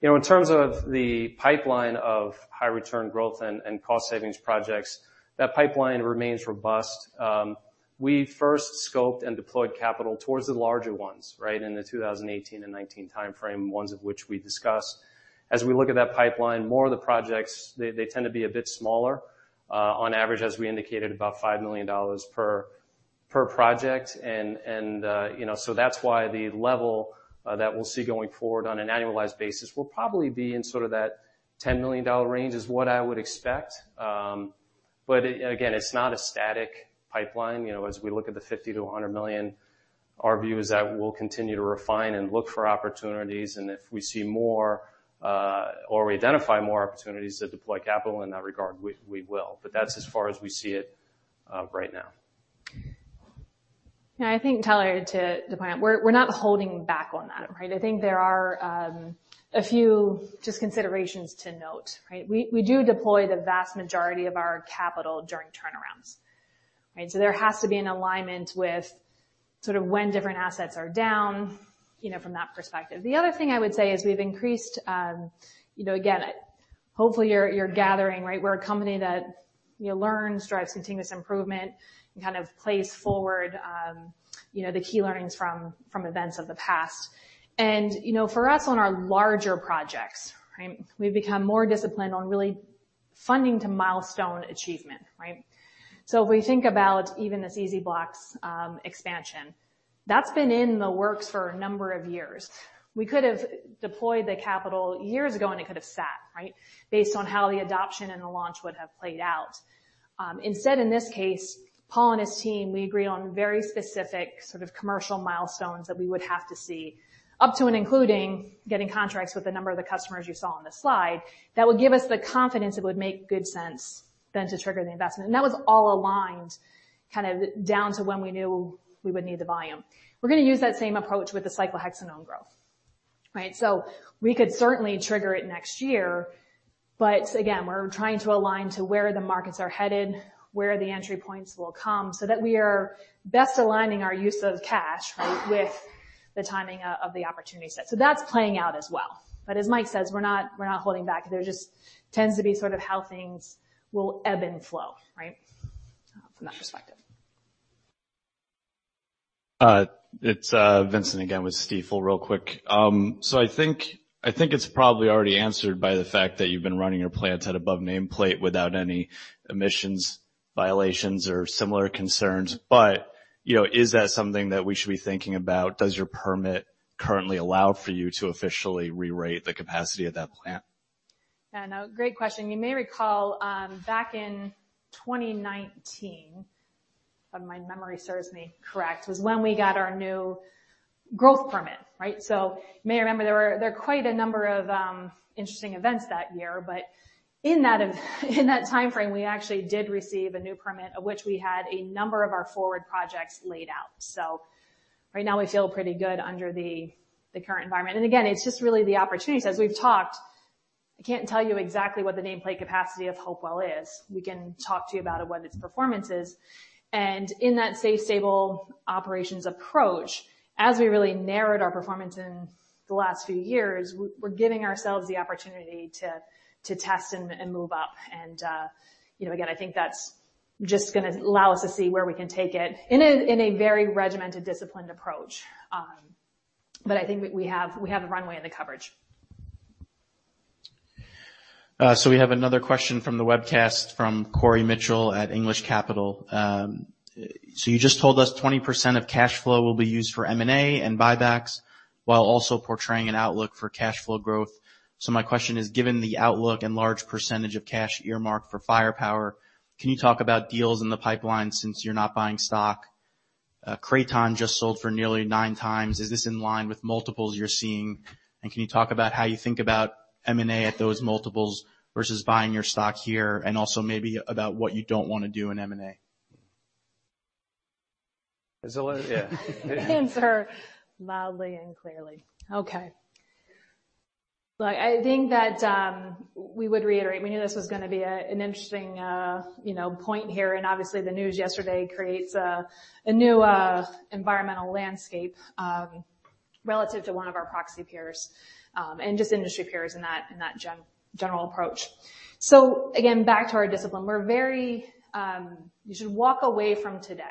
In terms of the pipeline of high return growth and cost savings projects, that pipeline remains robust. We first scoped and deployed capital towards the larger ones, right, in the 2018 and 2019 timeframe, ones of which we discussed. As we look at that pipeline, more of the projects, they tend to be a bit smaller. On average, as we indicated, about $5 million per project. That's why the level that we'll see going forward on an annualized basis will probably be in sort of that $10 million range is what I would expect. Again, it's not a static pipeline. As we look at the $50 million-$100 million, our view is that we'll continue to refine and look for opportunities, and if we see more or identify more opportunities to deploy capital in that regard, we will. That's as far as we see it right now. Yeah, I think, Tyler, to the point, we're not holding back on that, right? I think there are a few just considerations to note, right? We do deploy the vast majority of our capital during turnarounds, right? There has to be an alignment with sort of when different assets are down, from that perspective. The other thing I would say is we've increased, again, hopefully you're gathering, right? We're a company that learns, drives continuous improvement, and kind of plays forward the key learnings from events of the past. For us on our larger projects, right, we've become more disciplined on really funding to milestone achievement, right? If we think about even this EZ-Blox expansion, that's been in the works for a number of years. We could have deployed the capital years ago and it could have sat, right? Based on how the adoption and the launch would have played out. Instead, in this case, Paul and his team, we agreed on very specific sort of commercial milestones that we would have to see, up to and including getting contracts with a number of the customers you saw on the slide. That would give us the confidence it would make good sense then to trigger the investment. That was all aligned kind of down to when we knew we would need the volume. We're going to use that same approach with the cyclohexanone growth, right? We could certainly trigger it next year. Again, we're trying to align to where the markets are headed, where the entry points will come, so that we are best aligning our use of cash, right, with the timing of the opportunity set. That's playing out as well. As Mike says, we're not holding back. There just tends to be sort of how things will ebb and flow, right, from that perspective. It's Vincent again with Stifel real quick. I think it's probably already answered by the fact that you've been running your plants at above nameplate without any emissions violations or similar concerns. Is that something that we should be thinking about? Does your permit currently allow for you to officially rerate the capacity of that plant? No, great question. You may recall back in 2019, if my memory serves me correct, was when we got our new growth permit. You may remember there were quite a number of interesting events that year, but in that timeframe, we actually did receive a new permit, of which we had a number of our forward projects laid out. Right now we feel pretty good under the current environment. Again, it's just really the opportunities. As we've talked, I can't tell you exactly what the nameplate capacity of Hopewell is. We can talk to you about what its performance is. In that safe, stable operations approach, as we really narrowed our performance in the last few years, we're giving ourselves the opportunity to test and move up. Again, I think that's just going to allow us to see where we can take it in a very regimented, disciplined approach. I think we have the runway and the coverage. We have another question from the webcast from Cory Mitchell at [Ingleside Capital]. You just told us 20% of cash flow will be used for M&A and buybacks, while also portraying an outlook for cash flow growth. My question is, given the outlook and large percentage of cash earmarked for firepower, can you talk about deals in the pipeline since you're not buying stock? Kraton just sold for nearly 9 times. Is this in line with multiples you're seeing? Can you talk about how you think about M&A at those multiples versus buying your stock here, and also maybe about what you don't want to do in M&A? Yeah. Answer loudly and clearly. Okay. Look, I think that we would reiterate, we knew this was going to be an interesting point here. Obviously the news yesterday creates a new environmental landscape relative to one of our proxy peers, and just industry peers in that general approach. Again, back to our discipline. You should walk away from today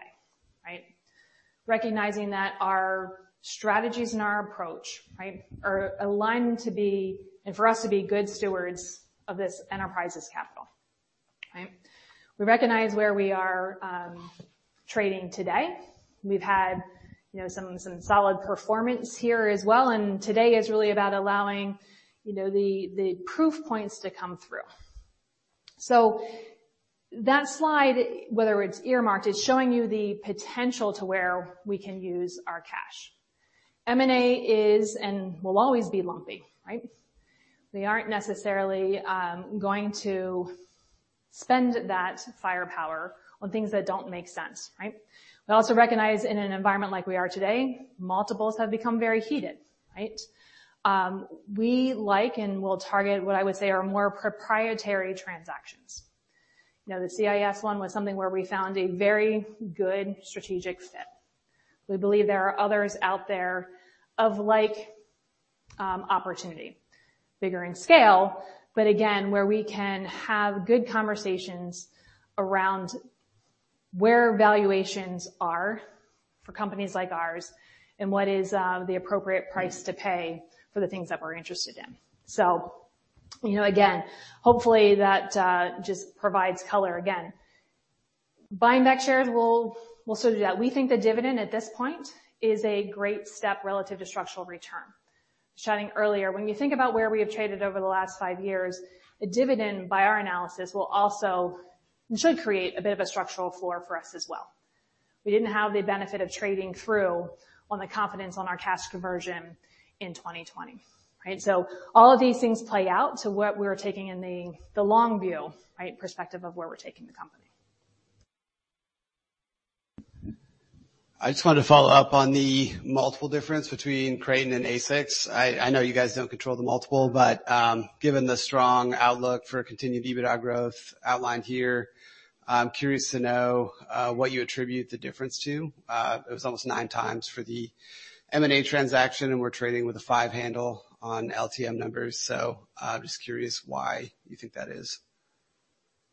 recognizing that our strategies and our approach are aligned, and for us to be good stewards of this enterprise's capital. We recognize where we are trading today. We've had some solid performance here as well, and today is really about allowing the proof points to come through. That slide, whether it's earmarked, is showing you the potential to where we can use our cash. M&A is and will always be lumpy. We aren't necessarily going to spend that firepower on things that don't make sense. We also recognize in an environment like we are today, multiples have become very heated. We like and will target what I would say are more proprietary transactions. The CIS one was something where we found a very good strategic fit. We believe there are others out there of like opportunity, bigger in scale, but again, where we can have good conversations around where valuations are for companies like ours, and what is the appropriate price to pay for the things that we're interested in. Again, hopefully that just provides color again. Buying back shares will still do that. We think the dividend at this point is a great step relative to structural return. Sharing earlier, when you think about where we have traded over the last 5 years, the dividend, by our analysis, will also and should create a bit of a structural floor for us as well. We didn't have the benefit of trading through on the confidence on our cash conversion in 2020. All of these things play out to what we're taking in the long view perspective of where we're taking the company. I just wanted to follow up on the multiple difference between Kraton and AdvanSix. I know you guys don't control the multiple, but given the strong outlook for continued EBITDA growth outlined here, I'm curious to know what you attribute the difference to. It was almost 9x for the M&A transaction, and we're trading with a 5 handle on LTM numbers. Just curious why you think that is.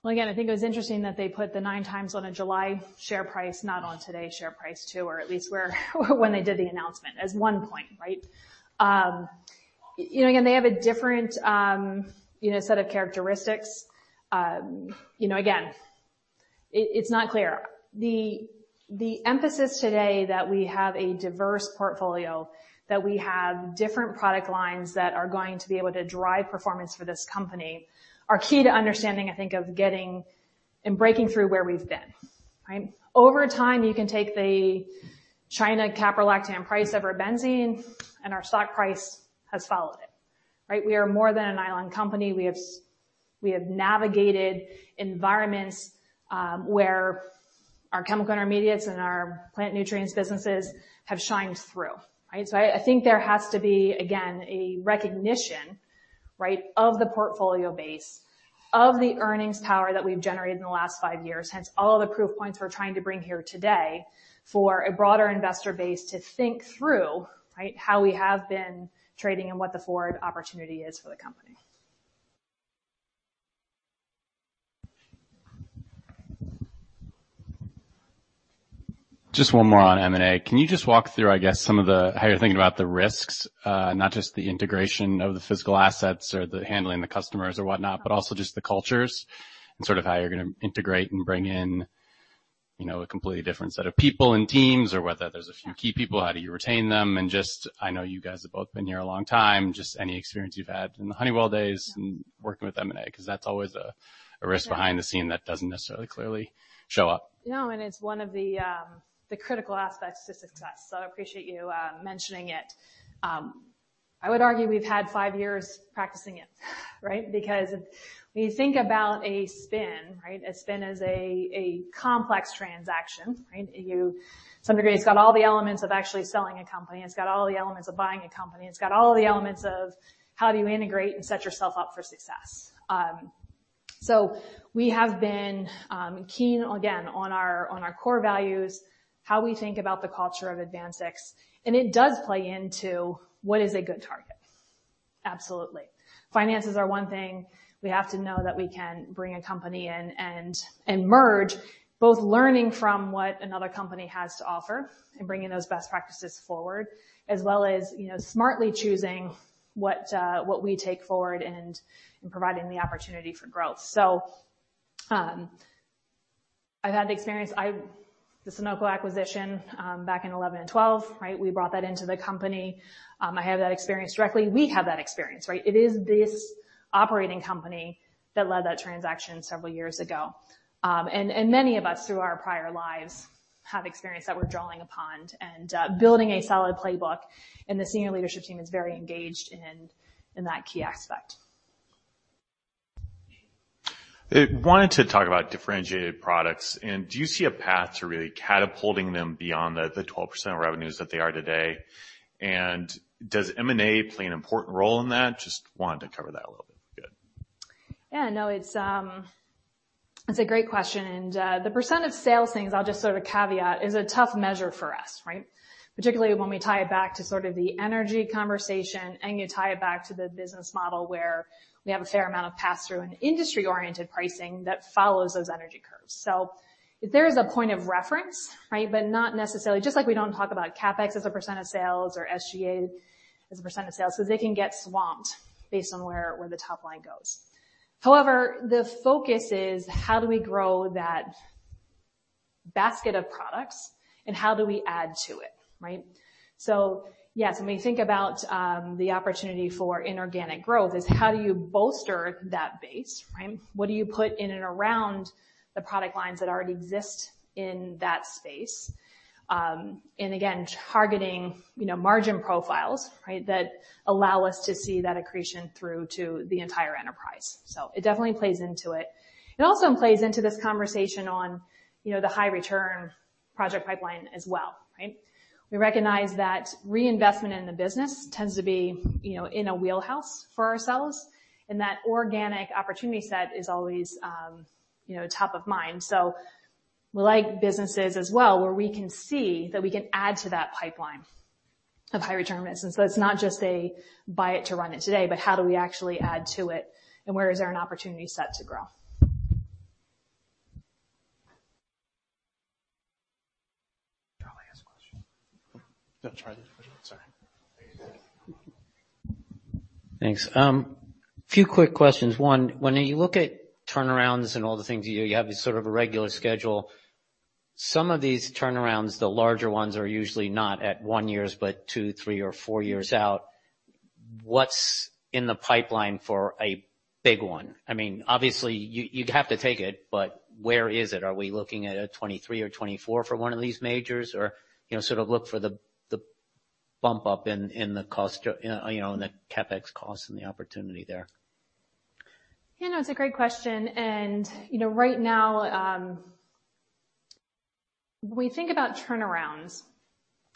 Well, again, I think it was interesting that they put the 9x on a July share price, not on today's share price too, or at least when they did the announcement as 1 point. They have a different set of characteristics. It's not clear. The emphasis today that we have a diverse portfolio, that we have different product lines that are going to be able to drive performance for this company are key to understanding, I think, of getting and breaking through where we've been. Over time, you can take the China caprolactam price over benzene, our stock price has followed it. We are more than a nylon company. We have navigated environments where our Chemical Intermediates and our Plant Nutrients businesses have shined through. I think there has to be, again, a recognition of the portfolio base, of the earnings power that we've generated in the last five years. Hence all the proof points we're trying to bring here today for a broader investor base to think through how we have been trading and what the forward opportunity is for the company. Just one more on M&A. Can you just walk through, I guess, how you're thinking about the risks? Not just the integration of the physical assets or the handling the customers or whatnot, but also just the cultures and sort of how you're going to integrate and bring in a completely different set of people and teams, or whether there's a few key people, how do you retain them? Just, I know you guys have both been here a long time, just any experience you've had in the Honeywell days and working with M&A, because that's always a risk behind the scene that doesn't necessarily clearly show up. No, it's one of the critical aspects to success. I appreciate you mentioning it. I would argue we've had 5 years practicing it. Right? If we think about a spin, a spin is a complex transaction. To some degree, it's got all the elements of actually selling a company. It's got all the elements of buying a company. It's got all the elements of how do you integrate and set yourself up for success. We have been keen, again, on our core values, how we think about the culture of AdvanSix, and it does play into what is a good target. Absolutely. Finances are 1 thing. We have to know that we can bring a company in and merge, both learning from what another company has to offer and bringing those best practices forward, as well as smartly choosing what we take forward and providing the opportunity for growth. I've had the experience, the Solutia acquisition back in 2011 and 2012, right? We brought that into the company. I have that experience directly. We have that experience, right? It is this operating company that led that transaction several years ago. Many of us, through our prior lives, have experience that we're drawing upon and building a solid playbook, and the Senior Leadership Team is very engaged in that key aspect. I wanted to talk about differentiated products. Do you see a path to really catapulting them beyond the 12% revenues that they are today? Does M&A play an important role in that? Just wanted to cover that a little bit. Good. Yeah, no. It's a great question. The % of sales things, I'll just sort of caveat, is a tough measure for us, right? Particularly when we tie it back to sort of the energy conversation and you tie it back to the business model where we have a fair amount of pass-through and industry-oriented pricing that follows those energy curves. There is a point of reference, right? Not necessarily, just like we don't talk about CapEx as a % of sales or SG&A as a % of sales, because they can get swamped based on where the top line goes. However, the focus is how do we grow that basket of products and how do we add to it, right? Yes, when we think about the opportunity for inorganic growth is how do you bolster that base, right? What do you put in and around the product lines that already exist in that space? Again, targeting margin profiles that allow us to see that accretion through to the entire enterprise. It definitely plays into it. It also plays into this conversation on the high return project pipeline as well, right? We recognize that reinvestment in the business tends to be in a wheelhouse for ourselves, and that organic opportunity set is always top of mind. We like businesses as well, where we can see that we can add to that pipeline of high return business. It's not just a buy it to run it today, but how do we actually add to it and where is there an opportunity set to grow? Charlie has a question. No, Charlie. Sorry. Thanks. A few quick questions. One, when you look at turnarounds and all the things you do, you have this sort of a regular schedule. Some of these turnarounds, the larger ones, are usually not at 1 years, 2, 3, or 4 years out. What's in the pipeline for a big one? Obviously, you'd have to take it, where is it? Are we looking at a 2023 or 2024 for one of these majors? Sort of look for the bump up in the CapEx cost and the opportunity there. Yeah, no, it's a great question. Right now, when we think about turnarounds,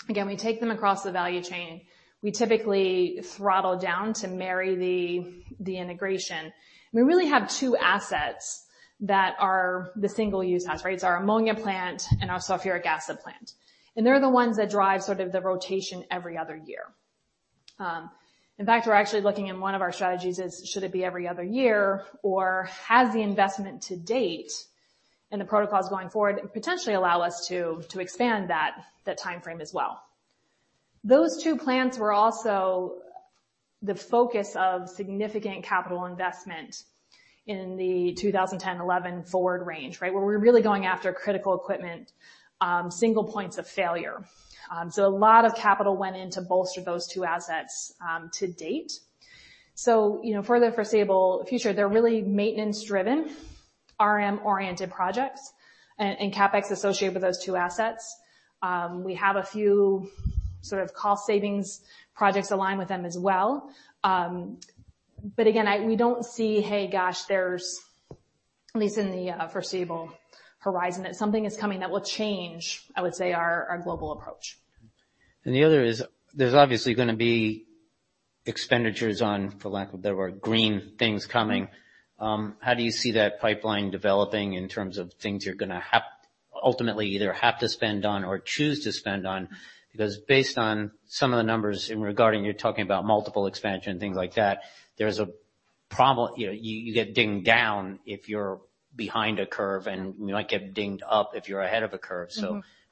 again, we take them across the value chain. We typically throttle down to marry the integration. We really have 2 assets that are the single-use assets, right? Our ammonia plant and our sulfuric acid plant. They're the ones that drive sort of the rotation every other year. In fact, we're actually looking in one of our strategies is should it be every other year or has the investment to date and the protocols going forward potentially allow us to expand that timeframe as well. Those 2 plants were also the focus of significant capital investment in the 2010-2011 forward range, right? Where we're really going after critical equipment, single points of failure. A lot of capital went in to bolster those 2 assets to date. For the foreseeable future, they're really maintenance-driven, RM-oriented projects, and CapEx associated with those two assets. We have a few sort of cost savings projects aligned with them as well. Again, we don't see, hey, gosh, there's, at least in the foreseeable horizon, that something is coming that will change, I would say, our global approach. The other is, there's obviously going to be expenditures on, for lack of a better word, green things coming. How do you see that pipeline developing in terms of things you're going to ultimately either have to spend on or choose to spend on? Based on some of the numbers in regarding, you're talking about multiple expansion, things like that, there's a problem. You get dinged down if you're behind a curve, and you might get dinged up if you're ahead of a curve.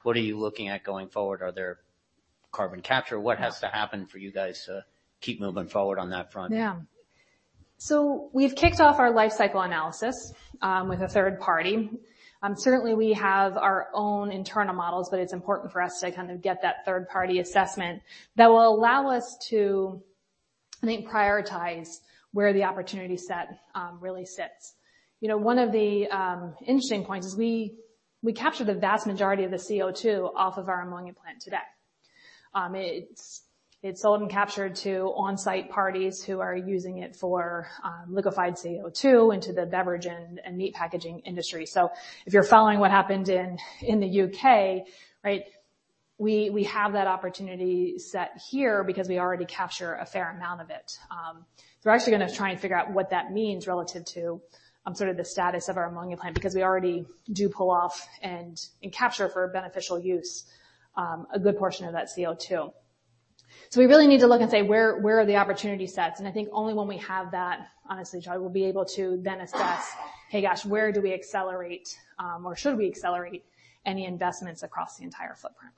What are you looking at going forward? Are there carbon capture? What has to happen for you guys to keep moving forward on that front? We've kicked off our life cycle analysis with a third party. Certainly, we have our own internal models, but it's important for us to kind of get that third-party assessment that will allow us to, I think, prioritize where the opportunity set really sits. 1 of the interesting points is We capture the vast majority of the CO2 off of our ammonia plant today. It's sold and captured to on-site parties who are using it for liquified CO2 into the beverage and meat packaging industry. If you're following what happened in the U.K., we have that opportunity set here because we already capture a fair amount of it. We're actually going to try and figure out what that means relative to the status of our ammonia plant, because we already do pull off and capture for beneficial use, a good portion of that CO2. We really need to look and say, where are the opportunity sets? I think only when we have that, honestly, John, we'll be able to then assess, hey, gosh, where do we accelerate? Should we accelerate any investments across the entire footprint?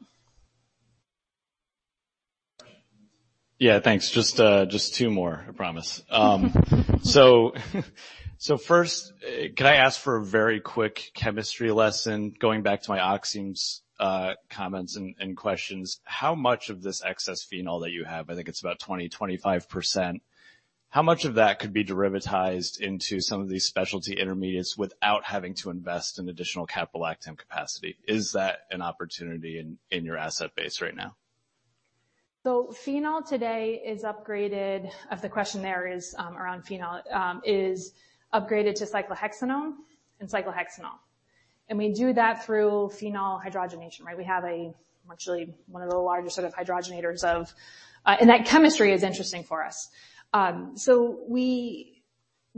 Yeah, thanks. Just two more, I promise. First, can I ask for a very quick chemistry lesson, going back to my oximes comments and questions. How much of this excess phenol that you have, I think it's about 20, 25%, how much of that could be derivatized into some of these specialty intermediates without having to invest in additional caprolactam capacity? Is that an opportunity in your asset base right now? Phenol today, if the question there is around phenol, is upgraded to cyclohexanone and cyclohexanol. We do that through phenol hydrogenation. We have actually one of the largest hydrogenators. That chemistry is interesting for us.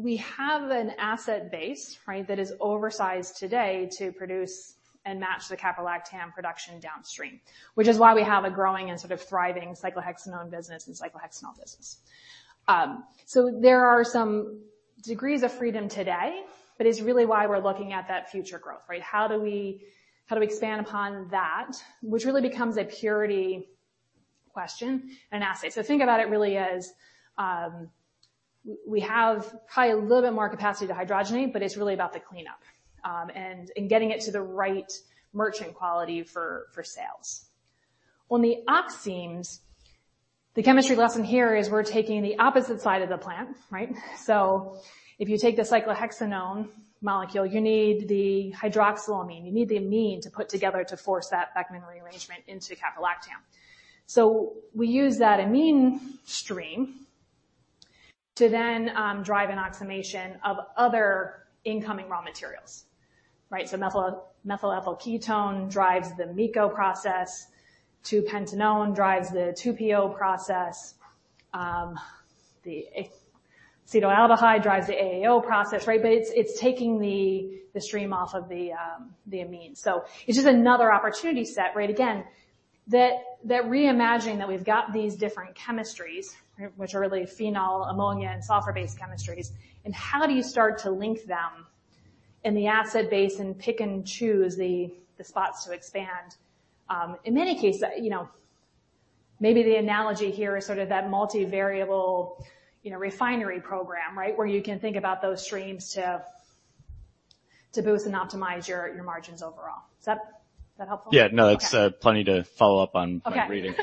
We have an asset base that is oversized today to produce and match the caprolactam production downstream, which is why we have a growing and thriving cyclohexanone business and cyclohexanol business. There are some degrees of freedom today, but it is really why we are looking at that future growth. How do we expand upon that? Which really becomes a purity question and assay. Think about it really as, we have probably a little bit more capacity to hydrogenate, but it is really about the cleanup, and getting it to the right merchant quality for sales. On the oximes, the chemistry lesson here is we're taking the opposite side of the plant, right? If you take the cyclohexanone molecule, you need the hydroxylamine. You need the amine to put together to force that Beckmann rearrangement into caprolactam. We use that amine stream to drive an oximation of other incoming raw materials. Methyl ethyl ketone drives the MEKO process, 2-pentanone drives the 2-PO process. The acetaldehyde drives the AAO process. It's taking the stream off of the amine. It's just another opportunity set. Again, that reimagining that we've got these different chemistries, which are really phenol, ammonia, and sulfur-based chemistries, and how do you start to link them in the asset base and pick and choose the spots to expand? In many cases, maybe the analogy here is sort of that multivariable refinery program where you can think about those streams to boost and optimize your margins overall. Is that helpful? Yeah. No, that's plenty to follow up on. Okay. my reading.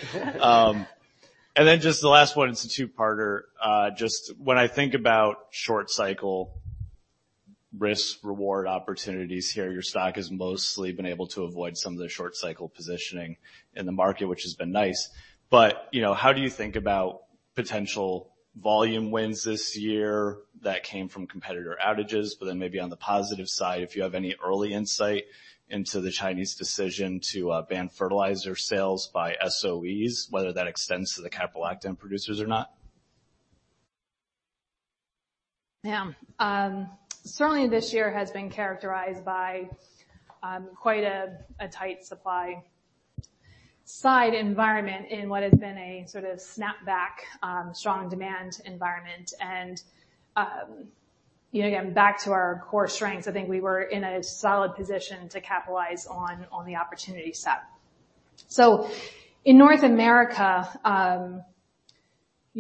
Just the last one, it's a two-parter. Just when I think about short cycle risk-reward opportunities here, your stock has mostly been able to avoid some of the short cycle positioning in the market, which has been nice. How do you think about potential volume wins this year that came from competitor outages? Maybe on the positive side, if you have any early insight into the Chinese decision to ban fertilizer sales by SOEs, whether that extends to the caprolactam producers or not. Yeah. Certainly, this year has been characterized by quite a tight supply side environment in what has been a sort of snapback, strong demand environment. Again, back to our core strengths, I think we were in a solid position to capitalize on the opportunity set. In North America,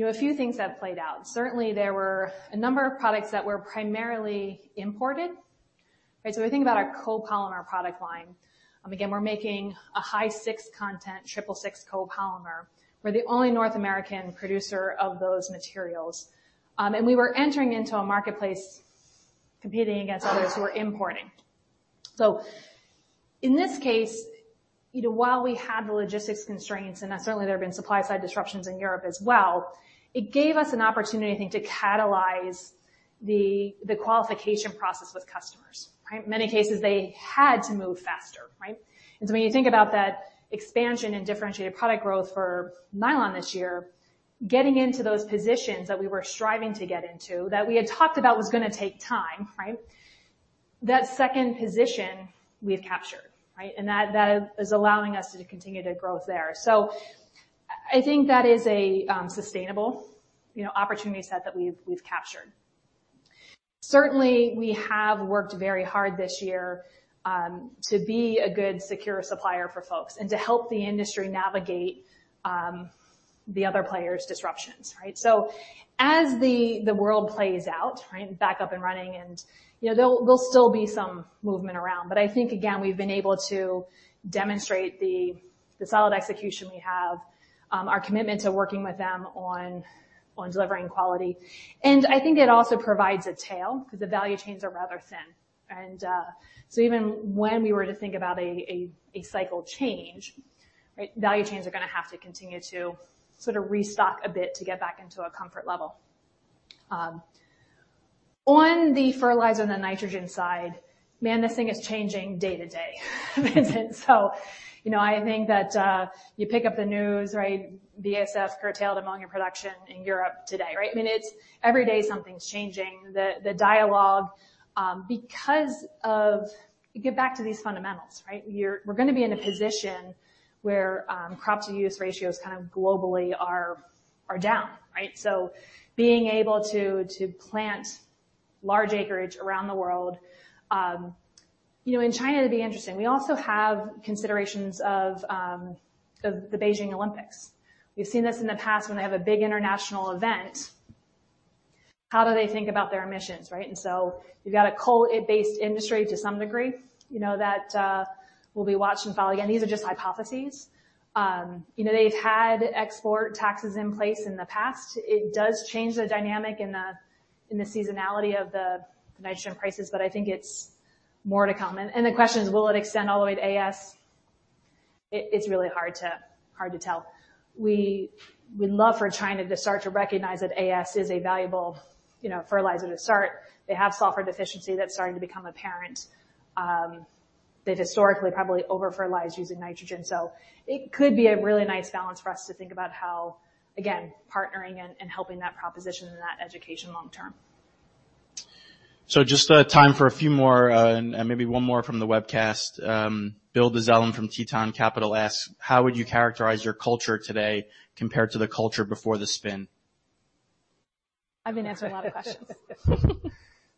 a few things have played out. Certainly, there were a number of products that were primarily imported. If we think about our copolymer product line, again, we're making a high 6 content 6/66 copolymer. We're the only North American producer of those materials. We were entering into a marketplace competing against others who are importing. In this case, while we had the logistics constraints, and certainly there have been supply side disruptions in Europe as well, it gave us an opportunity, I think, to catalyze the qualification process with customers. In many cases, they had to move faster. When you think about that expansion and differentiated product growth for nylon this year, getting into those positions that we were striving to get into, that we had talked about was going to take time, that second position we've captured. That is allowing us to continue to growth there. I think that is a sustainable opportunity set that we've captured. Certainly, we have worked very hard this year to be a good secure supplier for folks and to help the industry navigate the other players' disruptions. As the world plays out, back up and running, and there'll still be some movement around. I think, again, we've been able to demonstrate the solid execution we have, our commitment to working with them on delivering quality. I think it also provides a tail because the value chains are rather thin. Even when we were to think about a cycle change, value chains are going to have to continue to sort of restock a bit to get back into a comfort level. On the fertilizer and the nitrogen side, man, this thing is changing day to day. I think that you pick up the news, right? BASF curtailed ammonia production in Europe today, right? Every day, something's changing. You get back to these fundamentals, right? We're going to be in a position where crops to use ratios kind of globally are down, right? Being able to plant large acreage around the world. In China, it'd be interesting. We also have considerations of the Beijing Olympics. We've seen this in the past when they have a big international event. How do they think about their emissions, right? You've got a coal-based industry to some degree that we'll be watching. Again, these are just hypotheses. They've had export taxes in place in the past. It does change the dynamic in the seasonality of the nitrogen prices, but I think it's more to come. The question is, will it extend all the way to AS? It's really hard to tell. We love for China to start to recognize that AS is a valuable fertilizer to start. They have sulfur deficiency that's starting to become apparent. They've historically probably over-fertilized using nitrogen. It could be a really nice balance for us to think about how, again, partnering and helping that proposition and that education long term. Just time for a few more and maybe one more from the webcast. Bill Dezellem from Teton Capital asks, "How would you characterize your culture today compared to the culture before the spin? I've been answering a lot of questions.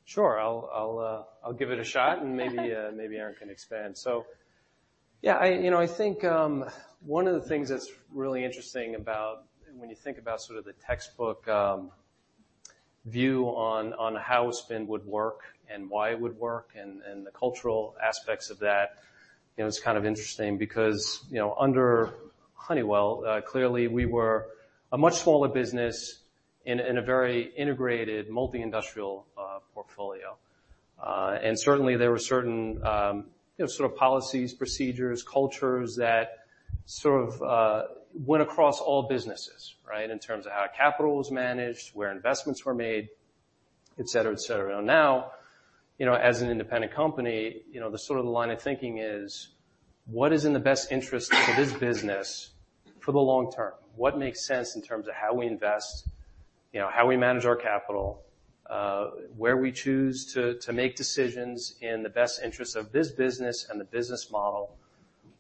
Sure. I'll give it a shot and maybe Erin can expand. Yeah. I think one of the things that's really interesting about when you think about sort of the textbook view on how a spin would work and why it would work and the cultural aspects of that, it's kind of interesting because under Honeywell, clearly, we were a much smaller business in a very integrated multi-industrial portfolio. Certainly, there were certain sort of policies, procedures, cultures that sort of went across all businesses, right? In terms of how capital was managed, where investments were made, et cetera. Now, as an independent company, the line of thinking is: what is in the best interest for this business for the long term? What makes sense in terms of how we invest, how we manage our capital, where we choose to make decisions in the best interest of this business and the business model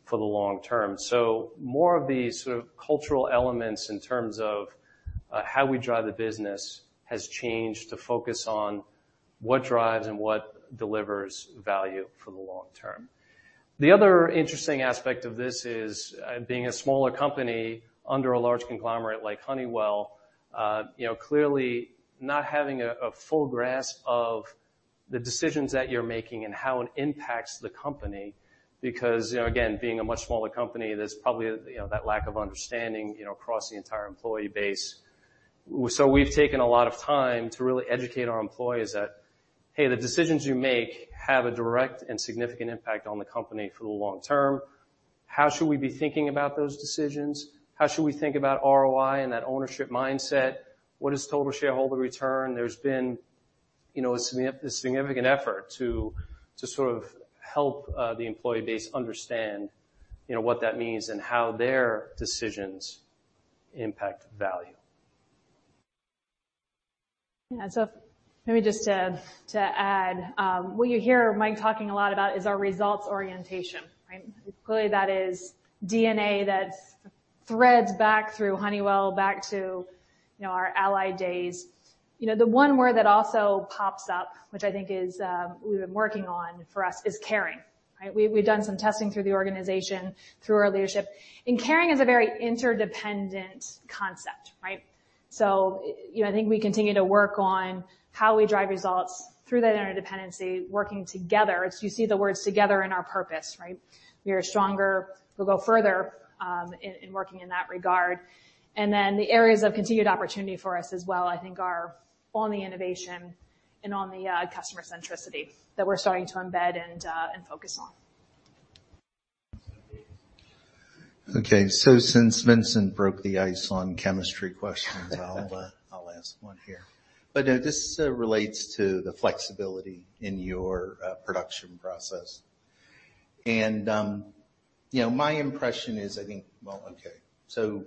for the long term. More of these sort of cultural elements in terms of how we drive the business has changed to focus on what drives and what delivers value for the long term. The other interesting aspect of this is being a smaller company under a large conglomerate like Honeywell, clearly not having a full grasp of the decisions that you're making and how it impacts the company because, again, being a much smaller company, there's probably that lack of understanding across the entire employee base. We've taken a lot of time to really educate our employees that, hey, the decisions you make have a direct and significant impact on the company for the long term. How should we be thinking about those decisions? How should we think about ROI and that ownership mindset? What is total shareholder return? There's been a significant effort to sort of help the employee base understand what that means and how their decisions impact value. Maybe just to add, what you hear Mike talking a lot about is our results orientation, right? Clearly, that is DNA that threads back through Honeywell back to our Allied days. The one word that also pops up, which I think is we've been working on for us, is caring, right? We've done some testing through the organization, through our leadership, and caring is a very interdependent concept, right? I think we continue to work on how we drive results through that interdependency, working together. You see the words together in our purpose, right? We are stronger. We'll go further in working in that regard. Then the areas of continued opportunity for us as well, I think are on the innovation and on the customer centricity that we're starting to embed and focus on. Okay. Since Vincent broke the ice on chemistry questions, I'll ask one here. This relates to the flexibility in your production process. My impression is, Well, okay.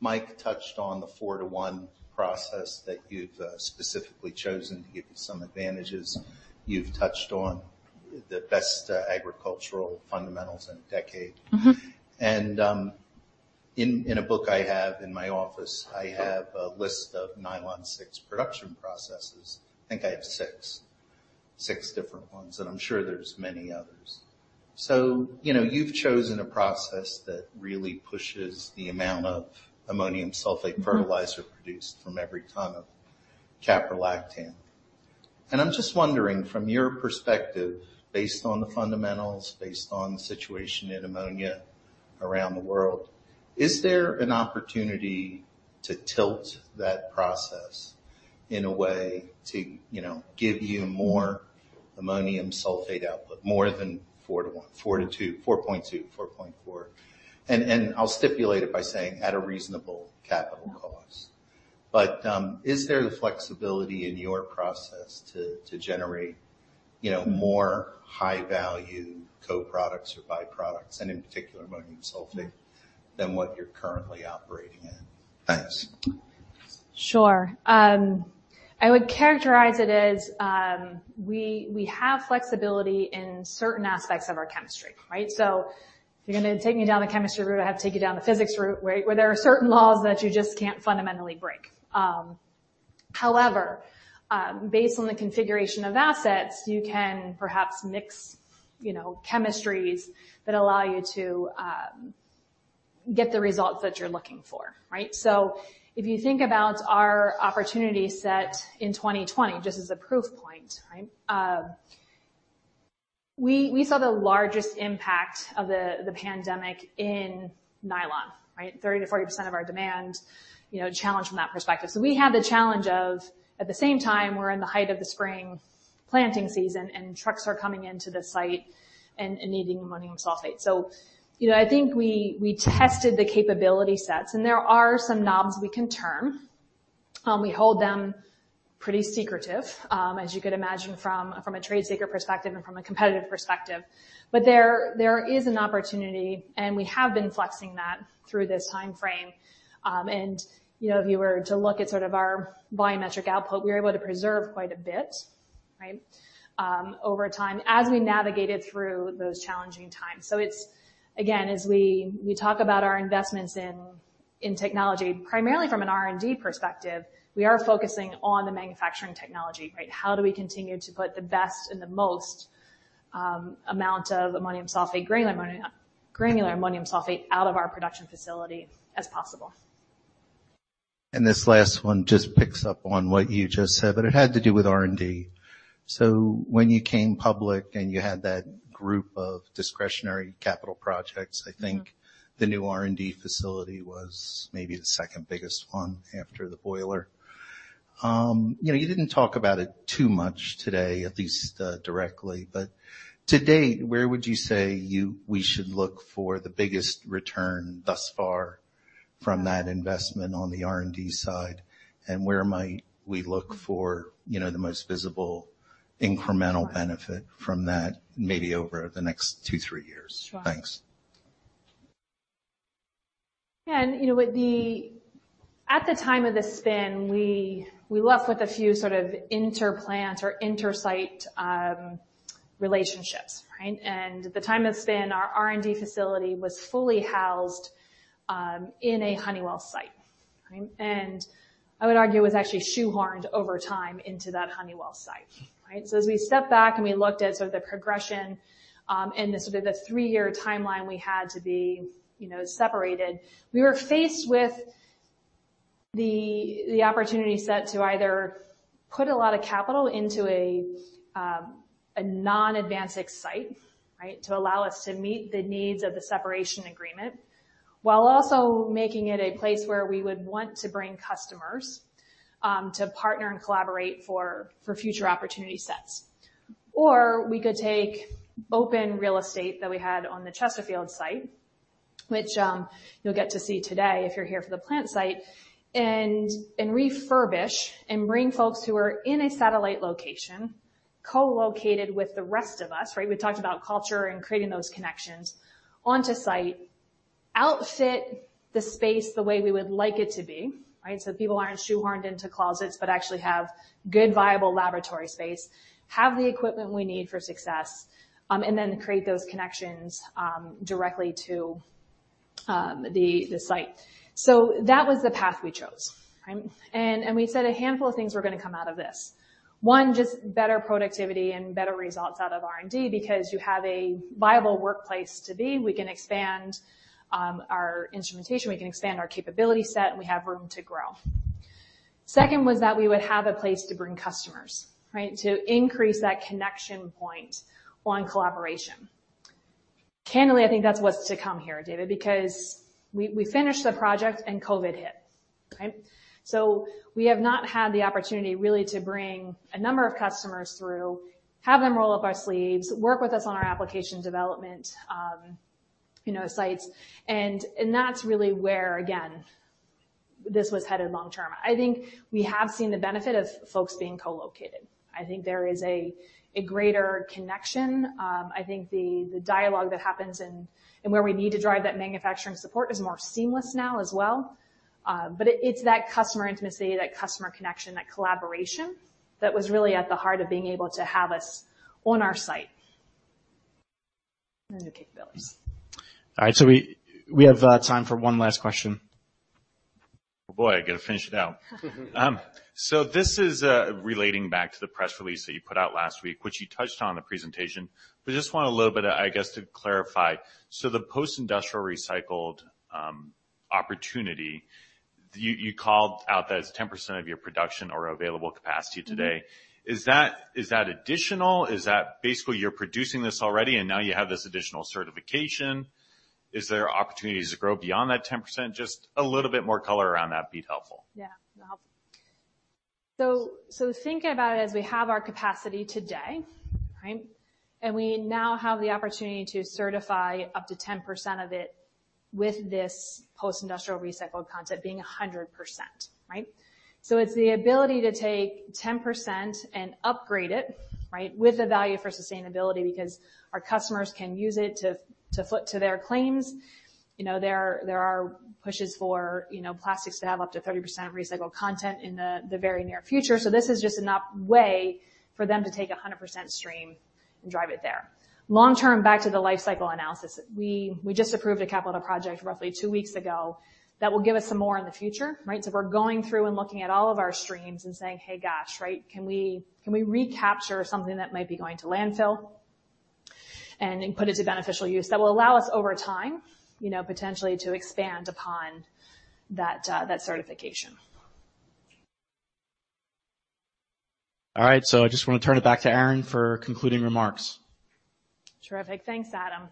Mike touched on the 4 to 1 process that you've specifically chosen to give you some advantages. You've touched on the best agricultural fundamentals in a decade. In a book I have in my office, I have a list of Nylon 6 production processes. I think I have six different ones, and I'm sure there's many others. You've chosen a process that really pushes the amount of ammonium sulfate fertilizer produced from every ton of caprolactam. I'm just wondering, from your perspective, based on the fundamentals, based on the situation in ammonia around the world, is there an opportunity to tilt that process in a way to give you more Ammonium Sulfate output more than 4 to 2, 4.2, 4.4. I'll stipulate it by saying at a reasonable capital cost. Is there the flexibility in your process to generate more high-value co-products or by-products, and in particular, ammonium sulfate, than what you're currently operating in? Thanks. Sure. I would characterize it as we have flexibility in certain aspects of our chemistry. Right? If you're going to take me down the chemistry route, I have to take you down the physics route, where there are certain laws that you just can't fundamentally break. However, based on the configuration of assets, you can perhaps mix chemistries that allow you to get the results that you're looking for. Right? If you think about our opportunity set in 2020, just as a proof point, we saw the largest impact of the pandemic in nylon. Right? 30%-40% of our demand challenged from that perspective. We had the challenge of, at the same time, we're in the height of the spring planting season, and trucks are coming into the site and needing ammonium sulfate. I think we tested the capability sets, and there are some knobs we can turn. We hold them pretty secretive, as you could imagine from a trade secret perspective and from a competitive perspective. There is an opportunity, and we have been flexing that through this timeframe. If you were to look at our biometric output, we were able to preserve quite a bit over time as we navigated through those challenging times. Again, as we talk about our investments in technology, primarily from an R&D perspective, we are focusing on the manufacturing technology. How do we continue to put the best and the most amount of granular ammonium sulfate out of our production facility as possible? This last one just picks up on what you just said, but it had to do with R&D. When you came public and you had that group of discretionary capital projects, I think the new R&D facility was maybe the second biggest one after the boiler. You didn't talk about it too much today, at least directly. To date, where would you say we should look for the biggest return thus far from that investment on the R&D side? Where might we look for the most visible incremental benefit from that, maybe over the next 2, 3 years? Sure. Thanks. Yeah. At the time of the spin, we left with a few sort of inter-plant or inter-site relationships. Right? At the time of spin, our R&D facility was fully housed in a Honeywell site. I would argue was actually shoehorned over time into that Honeywell site. Right? As we stepped back and we looked at sort of the progression, and the 3-year timeline we had to be separated, we were faced with the opportunity set to either put a lot of capital into a non-AdvanSix site to allow us to meet the needs of the separation agreement, while also making it a place where we would want to bring customers to partner and collaborate for future opportunity sets. We could take open real estate that we had on the Chesterfield site, which you'll get to see today if you're here for the plant site, and refurbish and bring folks who are in a satellite location, co-located with the rest of us, right, we talked about culture and creating those connections, onto site, outfit the space the way we would like it to be. People aren't shoehorned into closets, but actually have good, viable laboratory space, have the equipment we need for success, and then create those connections directly to the site. That was the path we chose. We said a handful of things were going to come out of this. Just better productivity and better results out of R&D because you have a viable workplace to be. We can expand our instrumentation, we can expand our capability set, and we have room to grow. Second was that we would have a place to bring customers to increase that connection point on collaboration. Candidly, I think that's what's to come here, David, because we finished the project, and COVID hit. We have not had the opportunity really to bring a number of customers through, have them roll up our sleeves, work with us on our application development sites, and that's really where, again, this was headed long term. I think we have seen the benefit of folks being co-located. I think there is a greater connection. I think the dialogue that happens and where we need to drive that manufacturing support is more seamless now as well. It's that customer intimacy, that customer connection, that collaboration that was really at the heart of being able to have us on our site and the capabilities. All right. We have time for one last question. Boy, I got to finish it out. This is relating back to the press release that you put out last week, which you touched on in the presentation, but just want a little bit, I guess, to clarify. The post-industrial recycled opportunity, you called out that it's 10% of your production or available capacity today. Is that additional? Is that basically you're producing this already and now you have this additional certification? Is there opportunities to grow beyond that 10%? Just a little bit more color around that'd be helpful. Yeah. That'll help. Thinking about it as we have our capacity today, right? We now have the opportunity to certify up to 10% of it with this post-industrial recycled content being 100%, right? It's the ability to take 10% and upgrade it, right, with the value for sustainability because our customers can use it to foot to their claims. There are pushes for plastics to have up to 30% recycled content in the very near future. This is just an up way for them to take 100% stream and drive it there. Long term, back to the life cycle analysis. We just approved a capital project roughly 2 weeks ago that will give us some more in the future, right? If we're going through and looking at all of our streams and saying, "Hey, gosh, right, can we recapture something that might be going to landfill and put it to beneficial use." That will allow us over time, potentially to expand upon that certification. All right. I just want to turn it back to Erin for concluding remarks. Terrific. Thanks, Adam.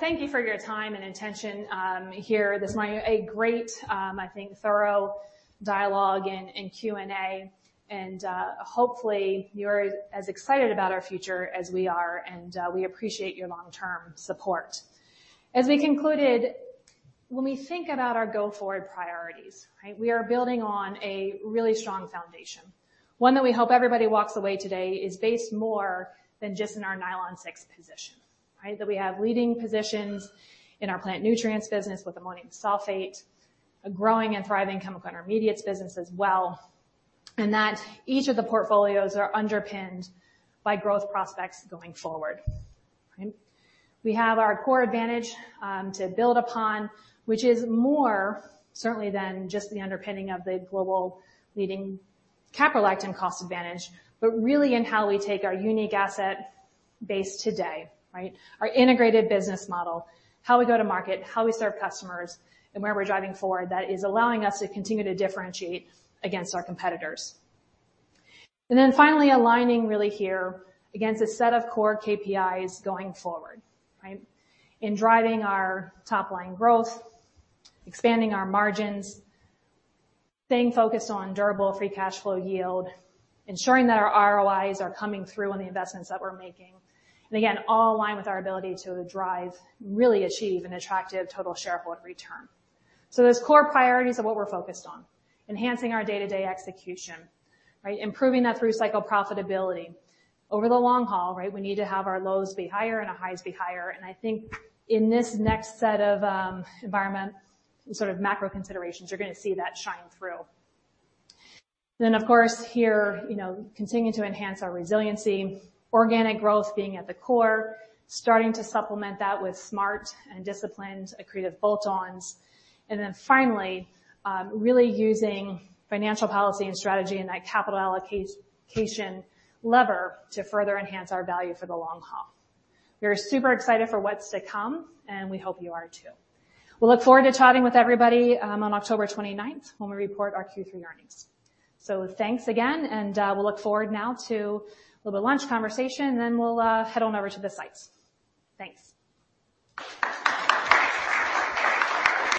Thank you for your time and attention here this morning. A great, I think, thorough dialogue and Q&A, and hopefully you're as excited about our future as we are, and we appreciate your long-term support. As we concluded, when we think about our go-forward priorities, right, we are building on a really strong foundation. One that we hope everybody walks away today is based more than just in our Nylon 6 position, right? That we have leading positions in our Plant Nutrients business with ammonium sulfate, a growing and thriving Chemical Intermediates business as well, and that each of the portfolios are underpinned by growth prospects going forward, right? We have our core advantage to build upon, which is more certainly than just the underpinning of the global leading caprolactam cost advantage, but really in how we take our unique asset base today, right? Our integrated business model, how we go to market, how we serve customers, and where we're driving forward that is allowing us to continue to differentiate against our competitors. Finally aligning really here against a set of core KPIs going forward, right? In driving our top-line growth, expanding our margins, staying focused on durable free cash flow yield, ensuring that our ROIs are coming through on the investments that we're making, and again, all align with our ability to drive, really achieve an attractive total shareholder return. Those core priorities are what we're focused on, enhancing our day-to-day execution, right? Improving that through cycle profitability. Over the long haul, right, we need to have our lows be higher and our highs be higher, and I think in this next set of environment sort of macro considerations, you're going to see that shine through. Of course, here, continuing to enhance our resiliency, organic growth being at the core, starting to supplement that with smart and disciplined accretive bolt-ons, finally, really using financial policy and strategy and that capital allocation lever to further enhance our value for the long haul. We're super excited for what's to come, and we hope you are too. We'll look forward to chatting with everybody on October 29th when we report our Q3 earnings. Thanks again, we'll look forward now to a little bit of lunch conversation, we'll head on over to the sites. Thanks.